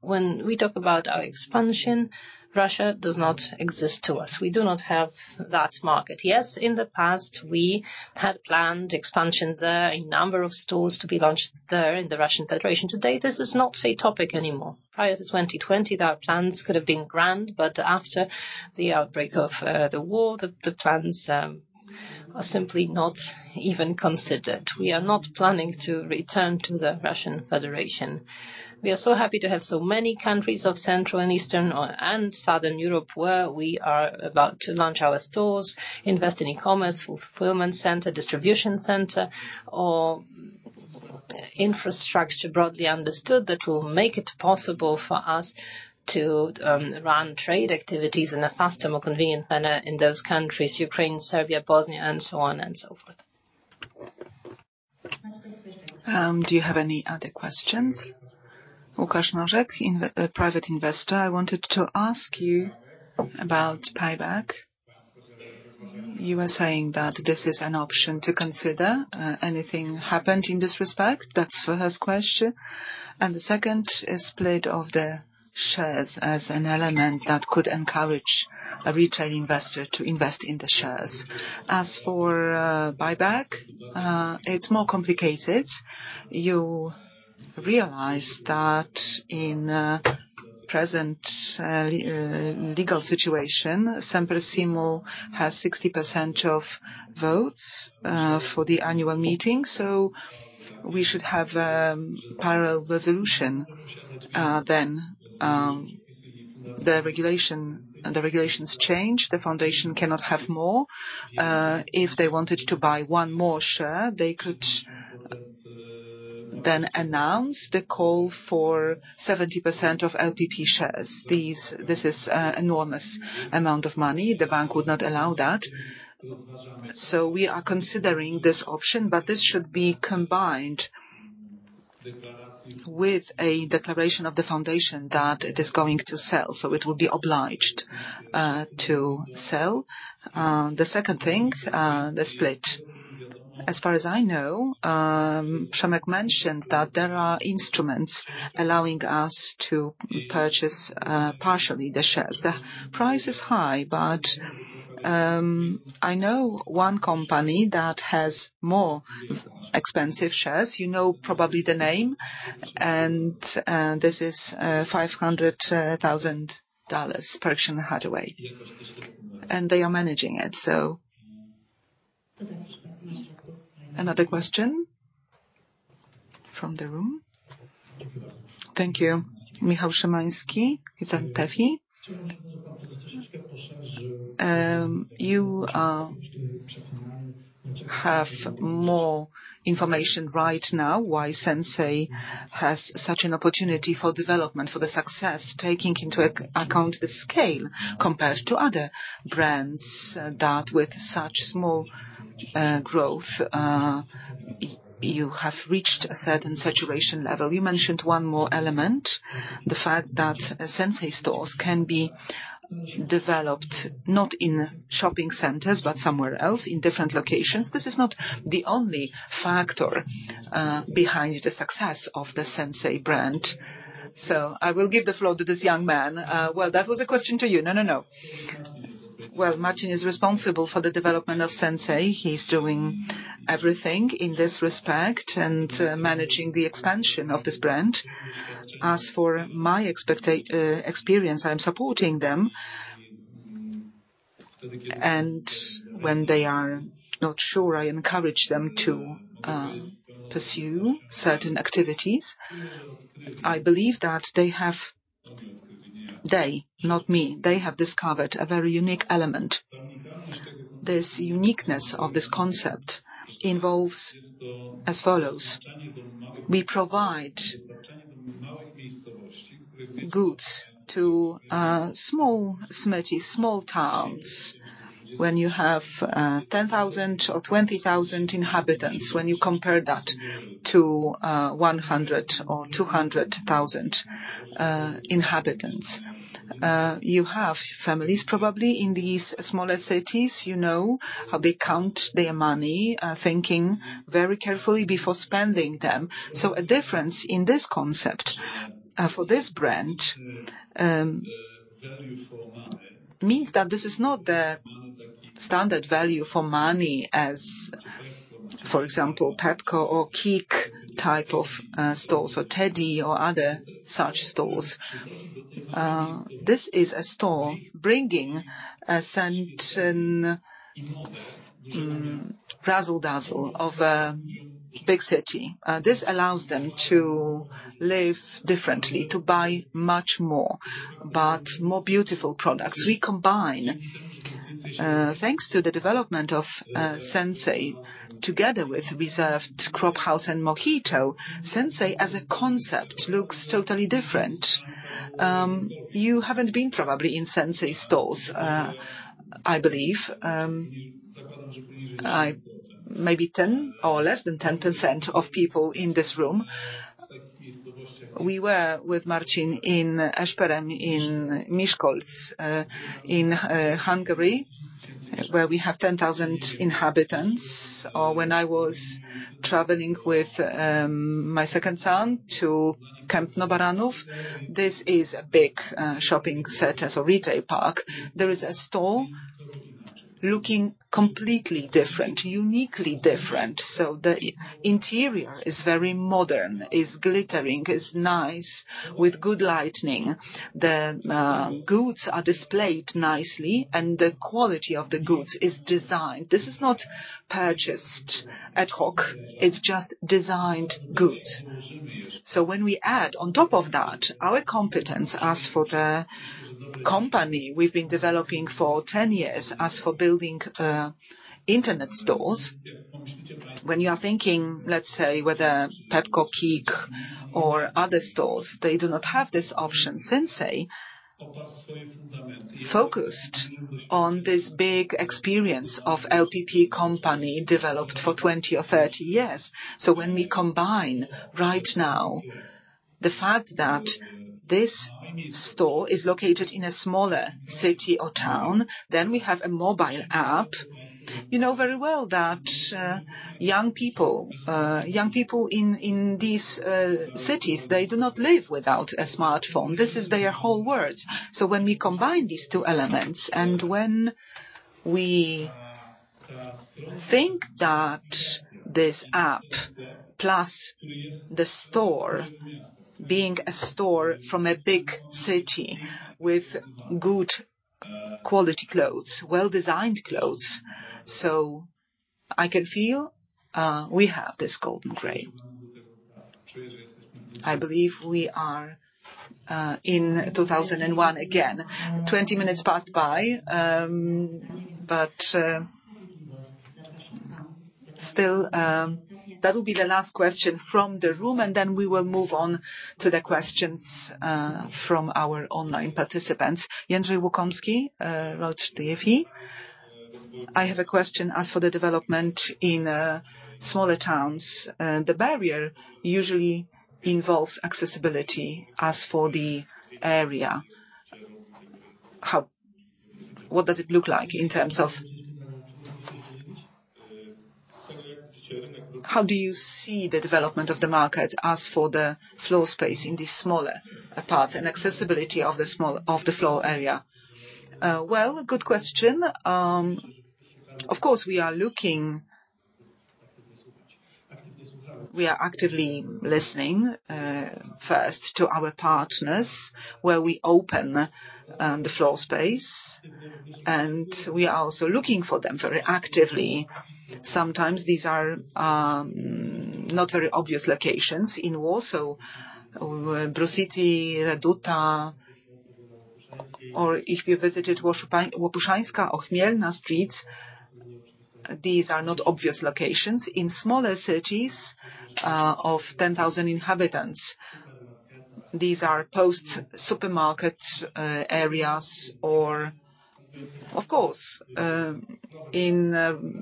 when we talk about our expansion, Russia does not exist to us. We do not have that market. Yes, in the past, we had planned expansion there, a number of stores to be launched there in the Russian Federation. Today, this is not a topic anymore. Prior to 2020, our plans could have been grand, but after the outbreak of the war, the plans are simply not even considered. We are not planning to return to the Russian Federation. We are so happy to have so many countries of Central and Eastern or and Southern Europe, where we are about to launch our stores, invest in e-commerce, fulfillment center, distribution center, or infrastructure, broadly understood, that will make it possible for us to run trade activities in a faster, more convenient manner in those countries, Ukraine, Serbia, Bosnia, and so on and so forth. Do you have any other questions? [Lukasz Norzek], private investor. I wanted to ask you about buyback. You were saying that this is an option to consider. Anything happened in this respect? That's first question. The second is split of the shares as an element that could encourage a retail investor to invest in the shares. As for buyback, it's more complicated. You realize that in present legal situation, Semper Simul has 60% of votes for the annual meeting, so we should have parallel resolution. Then the regulation, and the regulations change, the foundation cannot have more. If they wanted to buy one more share, they could then announce the call for 70% of LPP shares. This is enormous amount of money. The bank would not allow that. So we are considering this option, but this should be combined with a declaration of the foundation that it is going to sell, so it will be obliged to sell. The second thing, the split. As far as I know, Przemek mentioned that there are instruments allowing us to purchase partially the shares. The price is high, but I know one company that has more expensive shares. You know, probably the name, and this is $500,000, Berkshire Hathaway, and they are managing it, so. Another question from the room? Thank you. Michał Szymański, TFI. You have more information right now why Sinsay has such an opportunity for development, for the success, taking into account the scale compared to other brands that with such small growth you have reached a certain saturation level. You mentioned one more element, the fact that Sinsay stores can be developed not in shopping centers, but somewhere else, in different locations. This is not the only factor behind the success of the Sinsay brand. So I will give the floor to this young man. Well, that was a question to you. No, no, no. Well, Marcin is responsible for the development of Sinsay. He's doing everything in this respect and managing the expansion of this brand. As for my experience, I'm supporting them, and when they are not sure, I encourage them to pursue certain activities. I believe that they have, they, not me, they have discovered a very unique element. This uniqueness of this concept involves as follows: we provide goods to small cities, small towns. When you have 10,000 or 20,000 inhabitants, when you compare that to 100,000 or 200,000 inhabitants, you have families probably in these smaller cities. You know how they count their money, thinking very carefully before spending them. So a difference in this concept for this brand means that this is not the standard value for money as, for example, Pepco or KiK type of stores, or TEDi or other such stores. This is a store bringing razzle dazzle of a big city. This allows them to live differently, to buy much more, but more beautiful products. We combine thanks to the development of Sinsay, together with Reserved, Cropp, House, and MOHITO. Sinsay, as a concept, looks totally different. You haven't been probably in Sinsay stores, I believe. Maybe 10% or less than 10% of people in this room. We were with Marcin in Veszprém, in Miskolc, in Hungary, where we have 10,000 inhabitants. Or when I was traveling with my second son to Kępno Baranów, this is a big shopping center or retail park. There is a store looking completely different, uniquely different. So the interior is very modern, is glittering, is nice, with good lighting. The goods are displayed nicely, and the quality of the goods is designed. This is not purchased ad hoc, it's just designed goods. So when we add on top of that, our competence as for the company we've been developing for 10 years, as for building internet stores. When you are thinking, let's say, whether Pepco, KiK, or other stores, they do not have this option. Sinsay, focused on this big experience of LPP company, developed for 20 or 30 years. So when we combine right now, the fact that this store is located in a smaller city or town, then we have a mobile app. You know very well that, young people, young people in, in these, cities, they do not live without a smartphone. This is their whole world. So when we combine these two elements, and when we think that this app, plus the store being a store from a big city with good quality clothes, well-designed clothes, so I can feel, we have this golden grail. I believe we are, in 2001 again. 20 minutes passed by, but, still, That will be the last question from the room, and then we will move on to the questions, from our online participants. [Jędrzej Bąkowski]. I have a question as for the development in smaller towns. The barrier usually involves accessibility as for the area. How-- What does it look like in terms of... How do you see the development of the market as for the floor space in these smaller parts and accessibility of the small, of the floor area? Well, good question. Of course, we are looking... We are actively listening first to our partners, where we open the floor space, and we are also looking for them very actively. Sometimes these are not very obvious locations in Warsaw, Blue City, Reduta, or if you visited Łopuszańska or Chmielna streets, these are not obvious locations. In smaller cities of 10,000 inhabitants, these are post-supermarket areas or of course in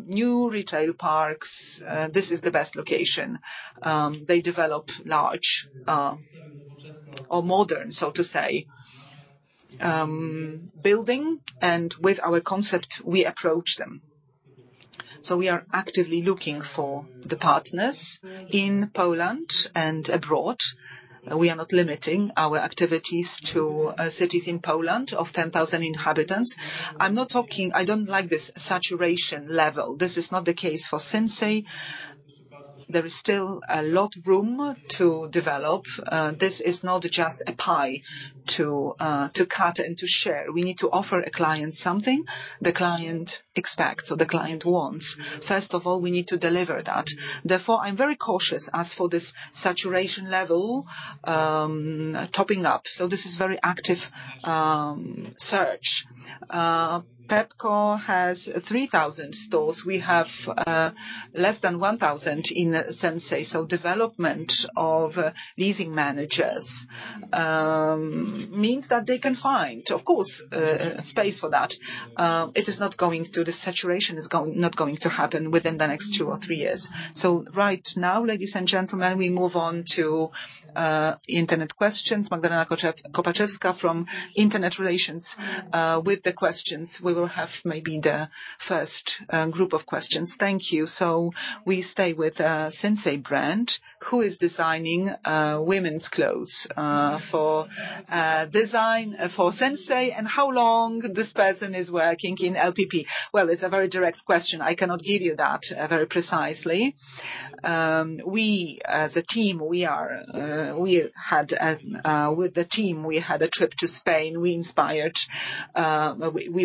new retail parks, this is the best location. They develop large or modern, so to say, building, and with our concept, we approach them. So we are actively looking for the partners in Poland and abroad. We are not limiting our activities to cities in Poland of 10,000 inhabitants. I don't like this saturation level. This is not the case for Sinsay. There is still a lot room to develop. This is not just a pie to cut and to share. We need to offer a client something the client expects or the client wants. First of all, we need to deliver that. Therefore, I'm very cautious as for this saturation level, topping up, so this is very active search. Pepco has 3,000 stores. We have less than 1,000 in Sinsay. So development of leasing managers means that they can find, of course, space for that. It is not going to, the saturation is not going to happen within the next two or three years. So right now, ladies and gentlemen, we move on to internet questions. Magdalena Kopaczewska from Investor Relations with the questions. We will have maybe the first group of questions. Thank you. So we stay with Sinsay brand, who is designing women's clothes for designer for Sinsay, and how long this person is working in LPP? Well, it's a very direct question. I cannot give you that very precisely. We as a team, we had with the team, we had a trip to Spain. We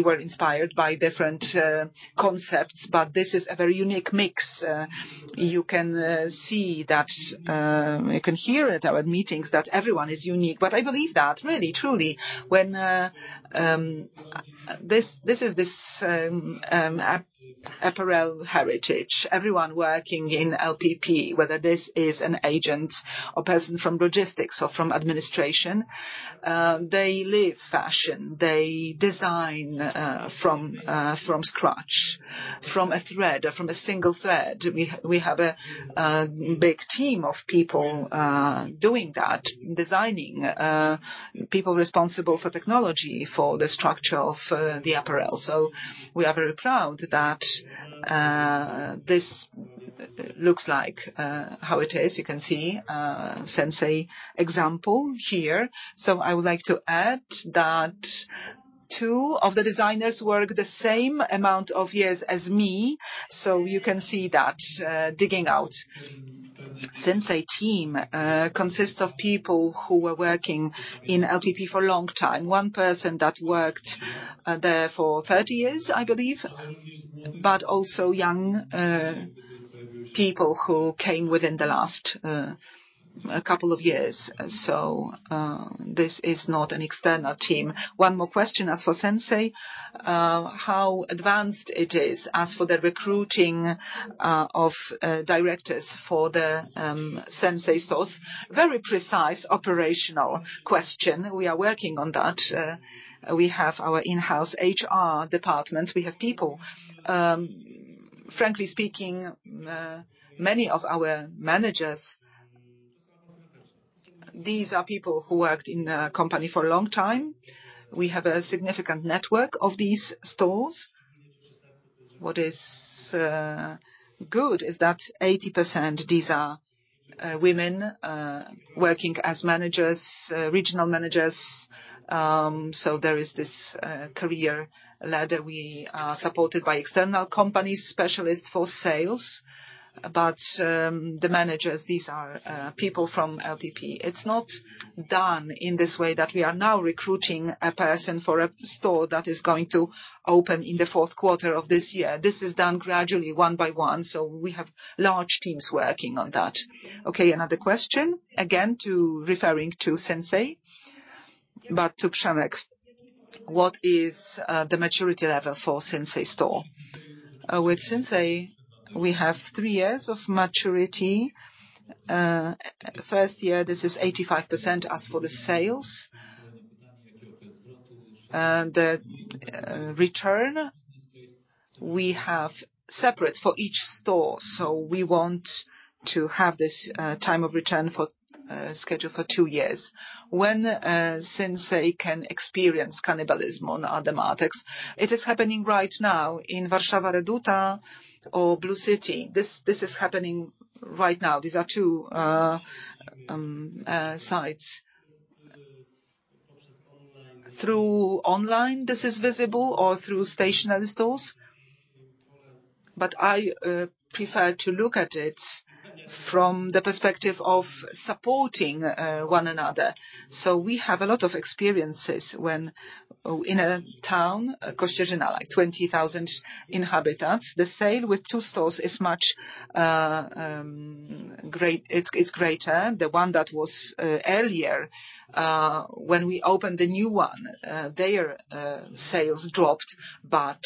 were inspired by different concepts, but this is a very unique mix. You can see that you can hear it at our meetings that everyone is unique. But I believe that really, truly, when this is apparel heritage. Everyone working in LPP, whether this is an agent or person from logistics or from administration, they live fashion, they design from scratch, from a thread or from a single thread. We have a big team of people doing that, designing, people responsible for technology, for the structure of the apparel. So we are very proud that this looks like how it is. You can see Sinsay example here. So I would like to add that two of the designers work the same amount of years as me, so you can see that, digging out. Sinsay team consists of people who were working in LPP for a long time. One person that worked there for 30 years, I believe, but also young people who came within the last couple of years. So this is not an external team. One more question as for Sinsay, how advanced it is as for the recruiting of directors for the Sinsay stores? Very precise operational question. We are working on that. We have our in-house HR departments, we have people. Frankly speaking, many of our managers, these are people who worked in the company for a long time. We have a significant network of these stores. What is good is that 80%, these are women working as managers, regional managers. So there is this career ladder. We are supported by external companies, specialists for sales, but the managers, these are people from LPP. It's not done in this way that we are now recruiting a person for a store that is going to open in the fourth quarter of this year. This is done gradually, one by one, so we have large teams working on that. Okay, another question, again referring to Sinsay, but to Przemek. What is the maturity level for Sinsay store? With Sinsay, we have 3 years of maturity. First year, this is 85% as for the sales. The return, we have separate for each store, so we want to have this time of return scheduled for two years. When Sinsay can experience cannibalism on other markets? It is happening right now in Warsaw, Reduta or Blue City. This is happening right now. These are two sites. Through online, this is visible, or through stationary stores, but I prefer to look at it from the perspective of supporting one another. So we have a lot of experiences when, in a town, Koszalin, like 20,000 inhabitants, the sale with two stores is much greater. The one that was earlier, when we opened the new one, their sales dropped, but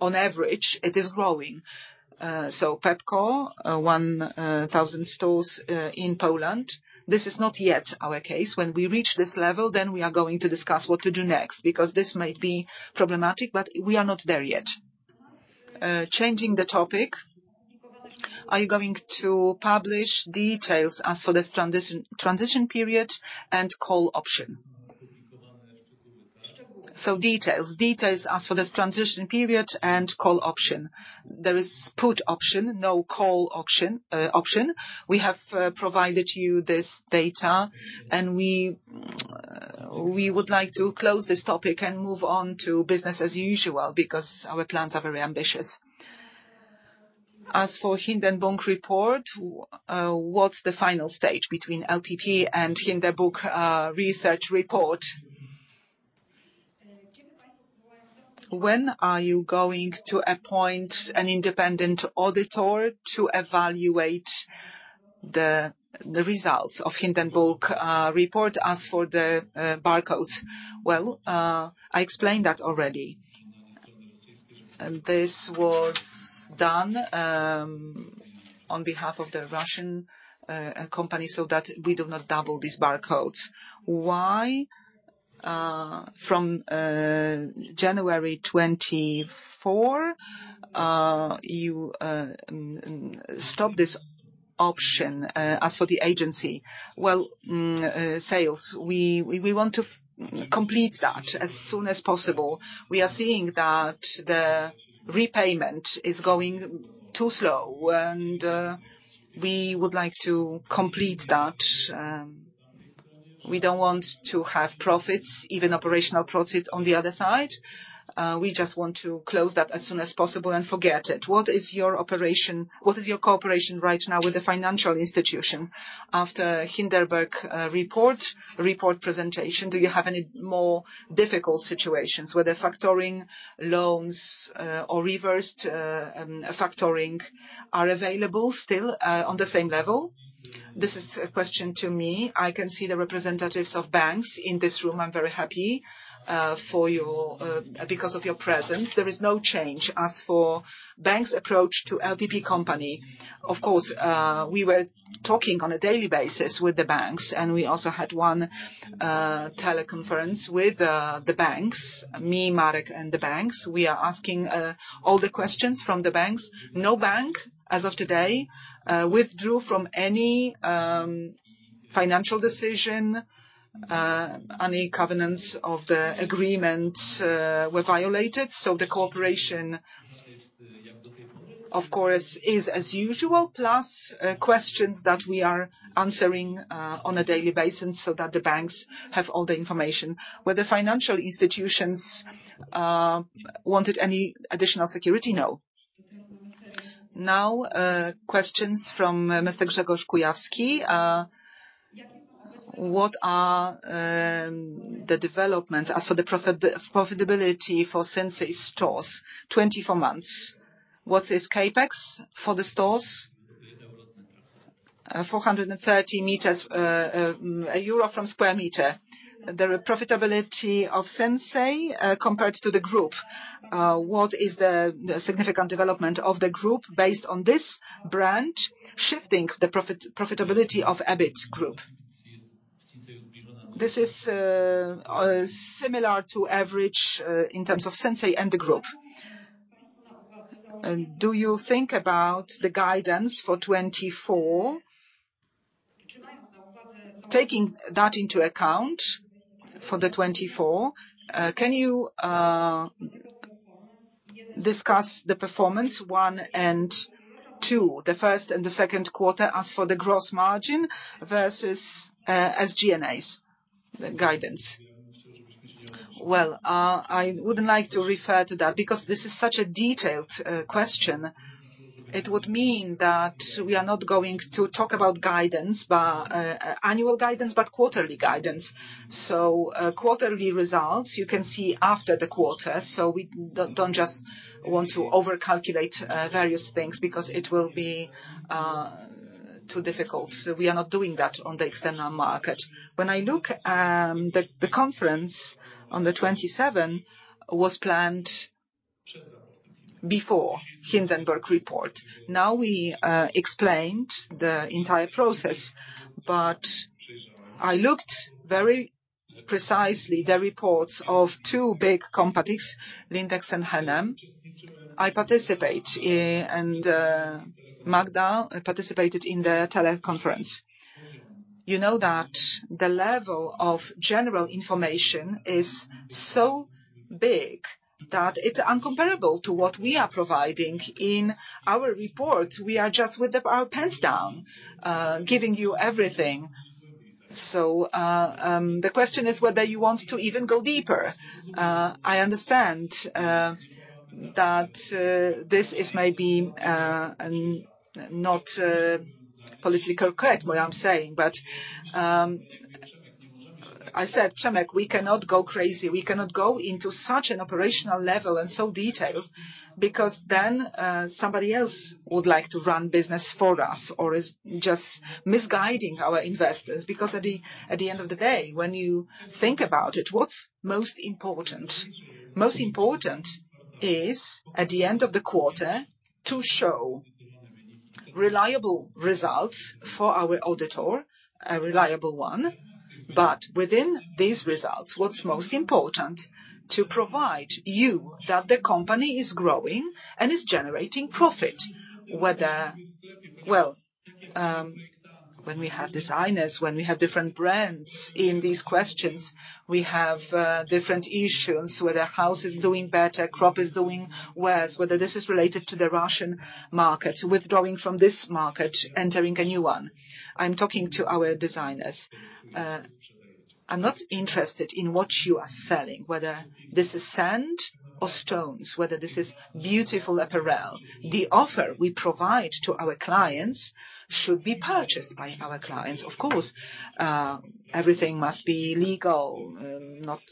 on average it is growing. So Pepco, 1,000 stores in Poland, this is not yet our case. When we reach this level, then we are going to discuss what to do next, because this might be problematic, but we are not there yet. Changing the topic, are you going to publish details as for this transition, transition period and call option? So details, details as for this transition period and call option. There is put option, no call option. We have provided you this data, and we would like to close this topic and move on to business as usual, because our plans are very ambitious. As for Hindenburg report, what's the final stage between LPP and Hindenburg, research report? When are you going to appoint an independent auditor to evaluate the, the results of Hindenburg, report as for the, barcodes? Well, I explained that already. And this was done on behalf of the Russian company, so that we do not double these barcodes. Why from January 2024 you stop this option as for the agency? Well, sales, we want to complete that as soon as possible. We are seeing that the repayment is going too slow, and we would like to complete that... We don't want to have profits, even operational profits, on the other side. We just want to close that as soon as possible and forget it. What is your operation- what is your cooperation right now with the financial institution after Hindenburg report presentation? Do you have any more difficult situations where the factoring loans or reverse factoring are available still on the same level? This is a question to me. I can see the representatives of banks in this room. I'm very happy because of your presence. There is no change as for bank's approach to LPP company. Of course, we were talking on a daily basis with the banks, and we also had one teleconference with the banks, me, Marek, and the banks. We are asking all the questions from the banks. No bank, as of today, withdrew from any financial decision. Any covenants of the agreement were violated, so the cooperation, of course, is as usual, plus questions that we are answering on a daily basis so that the banks have all the information. Whether financial institutions wanted any additional security? No. Now, questions from Mr. [Grzegorz Kujawski.] What are the developments as for the profitability for Sinsay stores? 24 months. What is CapEx for the stores? 430 sq m, EUR 1 per sq m. The profitability of Sinsay, compared to the group, what is the significant development of the group based on this brand, shifting the profitability of EBIT group? This is similar to average, in terms of Sinsay and the group. Do you think about the guidance for 2024? Taking that into account for 2024, can you discuss the performance one and two, the first and the second quarter, as for the gross margin versus SG&A, the guidance? Well, I would like to refer to that, because this is such a detailed question. It would mean that we are not going to talk about guidance, but annual guidance, but quarterly guidance. So, quarterly results, you can see after the quarter, so we don't, don't just want to overcalculate various things because it will be too difficult. We are not doing that on the external market. When I look, the conference on the 2027 was planned before Hindenburg report. Now we explained the entire process, but I looked very precisely the reports of two big companies, Inditex and H&M. I participate, and Magda participated in the teleconference. You know that the level of general information is so big that it's incomparable to what we are providing in our report. We are just with our pens down, giving you everything. So, the question is whether you want to even go deeper. I understand that this is maybe not politically correct what I'm saying, but I said, Przemek, we cannot go crazy. We cannot go into such an operational level and so detailed, because then somebody else would like to run business for us or is just misguiding our investors. Because at the end of the day, when you think about it, what's most important? Most important is, at the end of the quarter, to show reliable results for our auditor, a reliable one. But within these results, what's most important, to provide you that the company is growing and is generating profit. Whether... Well, when we have designers, when we have different brands in these questions, we have different issues, whether House is doing better, Cropp is doing worse, whether this is related to the Russian market, withdrawing from this market, entering a new one. I'm talking to our designers. I'm not interested in what you are selling, whether this is sand or stones, whether this is beautiful apparel. The offer we provide to our clients should be purchased by our clients. Of course, everything must be legal, not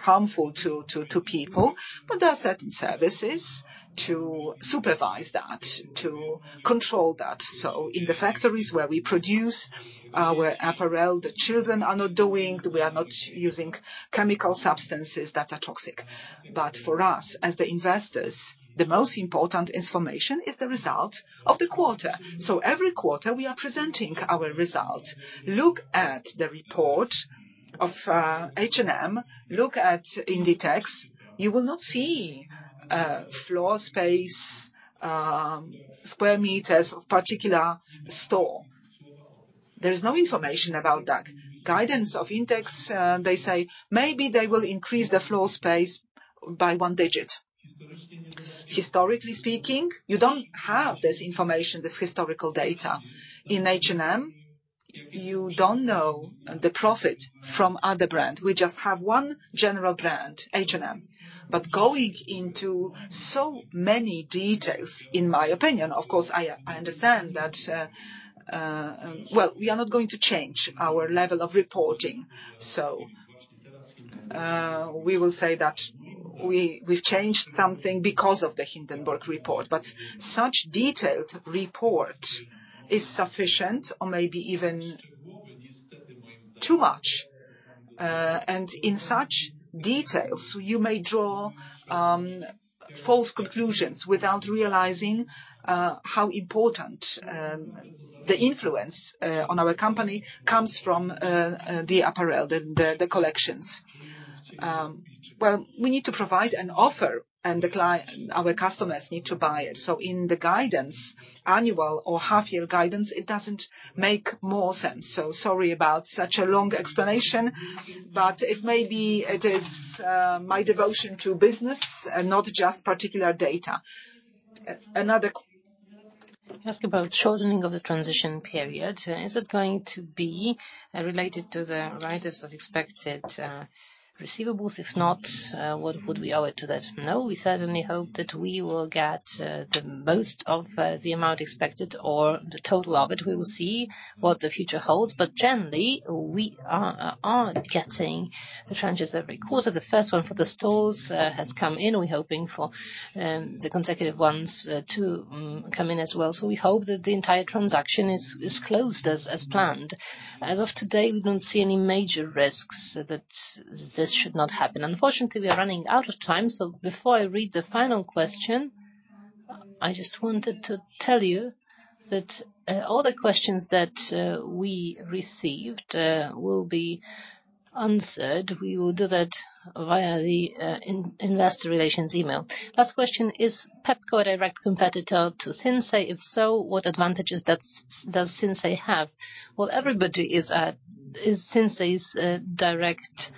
harmful to people, but there are certain services to supervise that, to control that. So in the factories where we produce where apparel, the children are not doing, we are not using chemical substances that are toxic. But for us, as the investors, the most important information is the result of the quarter. So every quarter, we are presenting our result. Look at the report of H&M, look at Inditex. You will not see floor space, square meters of particular store. There is no information about that. Guidance of Inditex, they say, "Maybe they will increase the floor space by one digit." Historically speaking, you don't have this information, this historical data in H&M. You don't know the profit from other brand. We just have one general brand, H&M. But going into so many details, in my opinion, of course, I understand that well, we are not going to change our level of reporting. So we will say that we, we've changed something because of the Hindenburg report, but such detailed report is sufficient or maybe even too much. And in such details, you may draw false conclusions without realizing how important the influence on our company comes from the apparel, the collections. Well, we need to provide an offer, and our customers need to buy it. In the guidance, annual or half-year guidance, it doesn't make more sense. Sorry about such a long explanation, but it may be it is my devotion to business and not just particular data. Another- Ask about shortening of the transition period. Is it going to be related to the write-offs of expected receivables? If not, what would we owe it to that? No, we certainly hope that we will get the most of the amount expected or the total of it. We will see what the future holds, but generally, we are getting the tranches every quarter. The first one for the stores has come in. We're hoping for the consecutive ones to come in as well. So we hope that the entire transaction is closed as planned. As of today, we don't see any major risks that this should not happen. Unfortunately, we are running out of time, so before I read the final question, I just wanted to tell you that all the questions that we received will be answered. We will do that via the investor relations email. Last question, "Is Pepco a direct competitor to Sinsay? If so, what advantages does Sinsay have?" Well, everybody is Sinsay's direct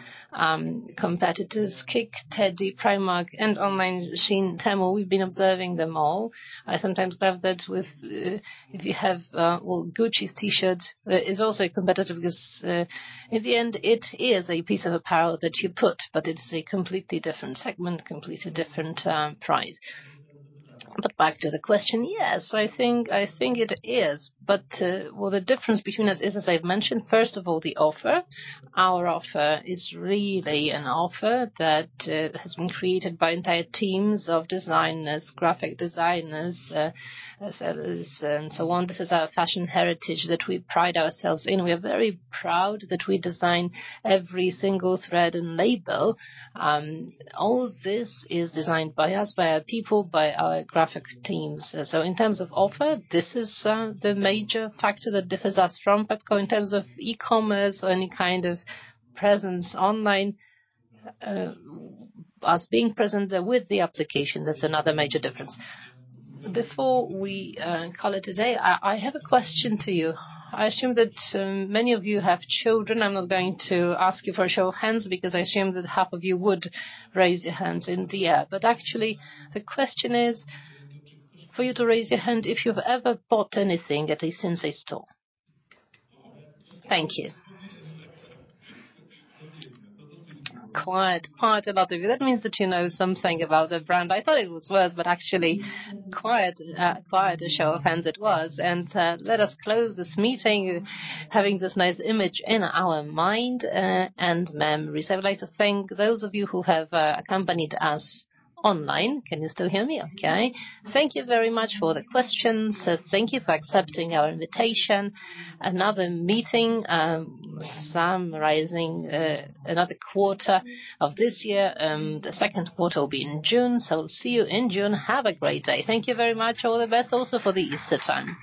competitors, KiK, TEDi, Primark, and online, Shein, Temu. We've been observing them all. I sometimes have that with if you have well, Gucci's T-shirt is also a competitor because in the end, it is a piece of apparel that you put, but it's a completely different segment, completely different price. But back to the question, yes, I think, I think it is, but, well, the difference between us, as I've mentioned, first of all, the offer. Our offer is really an offer that has been created by entire teams of designers, graphic designers, sellers, and so on. This is our fashion heritage that we pride ourselves in. We are very proud that we design every single thread and label. All this is designed by us, by our people, by our graphic teams. So in terms of offer, this is the major factor that differs us from Pepco. In terms of e-commerce or any kind of presence online, us being present there with the application, that's another major difference. Before we call it a day, I have a question to you. I assume that many of you have children. I'm not going to ask you for a show of hands, because I assume that half of you would raise your hands in the air. But actually, the question is for you to raise your hand if you've ever bought anything at a Sinsay store. Thank you. Quite a lot of you. That means that you know something about the brand. I thought it was worse, but actually, quite a show of hands it was. Let us close this meeting, having this nice image in our mind and memory. So I'd like to thank those of you who have accompanied us online. Can you still hear me okay? Thank you very much for the questions. Thank you for accepting our invitation. Another meeting, summarizing another quarter of this year, and the second quarter will be in June. So see you in June. Have a great day. Thank you very much. All the best also for the Easter time.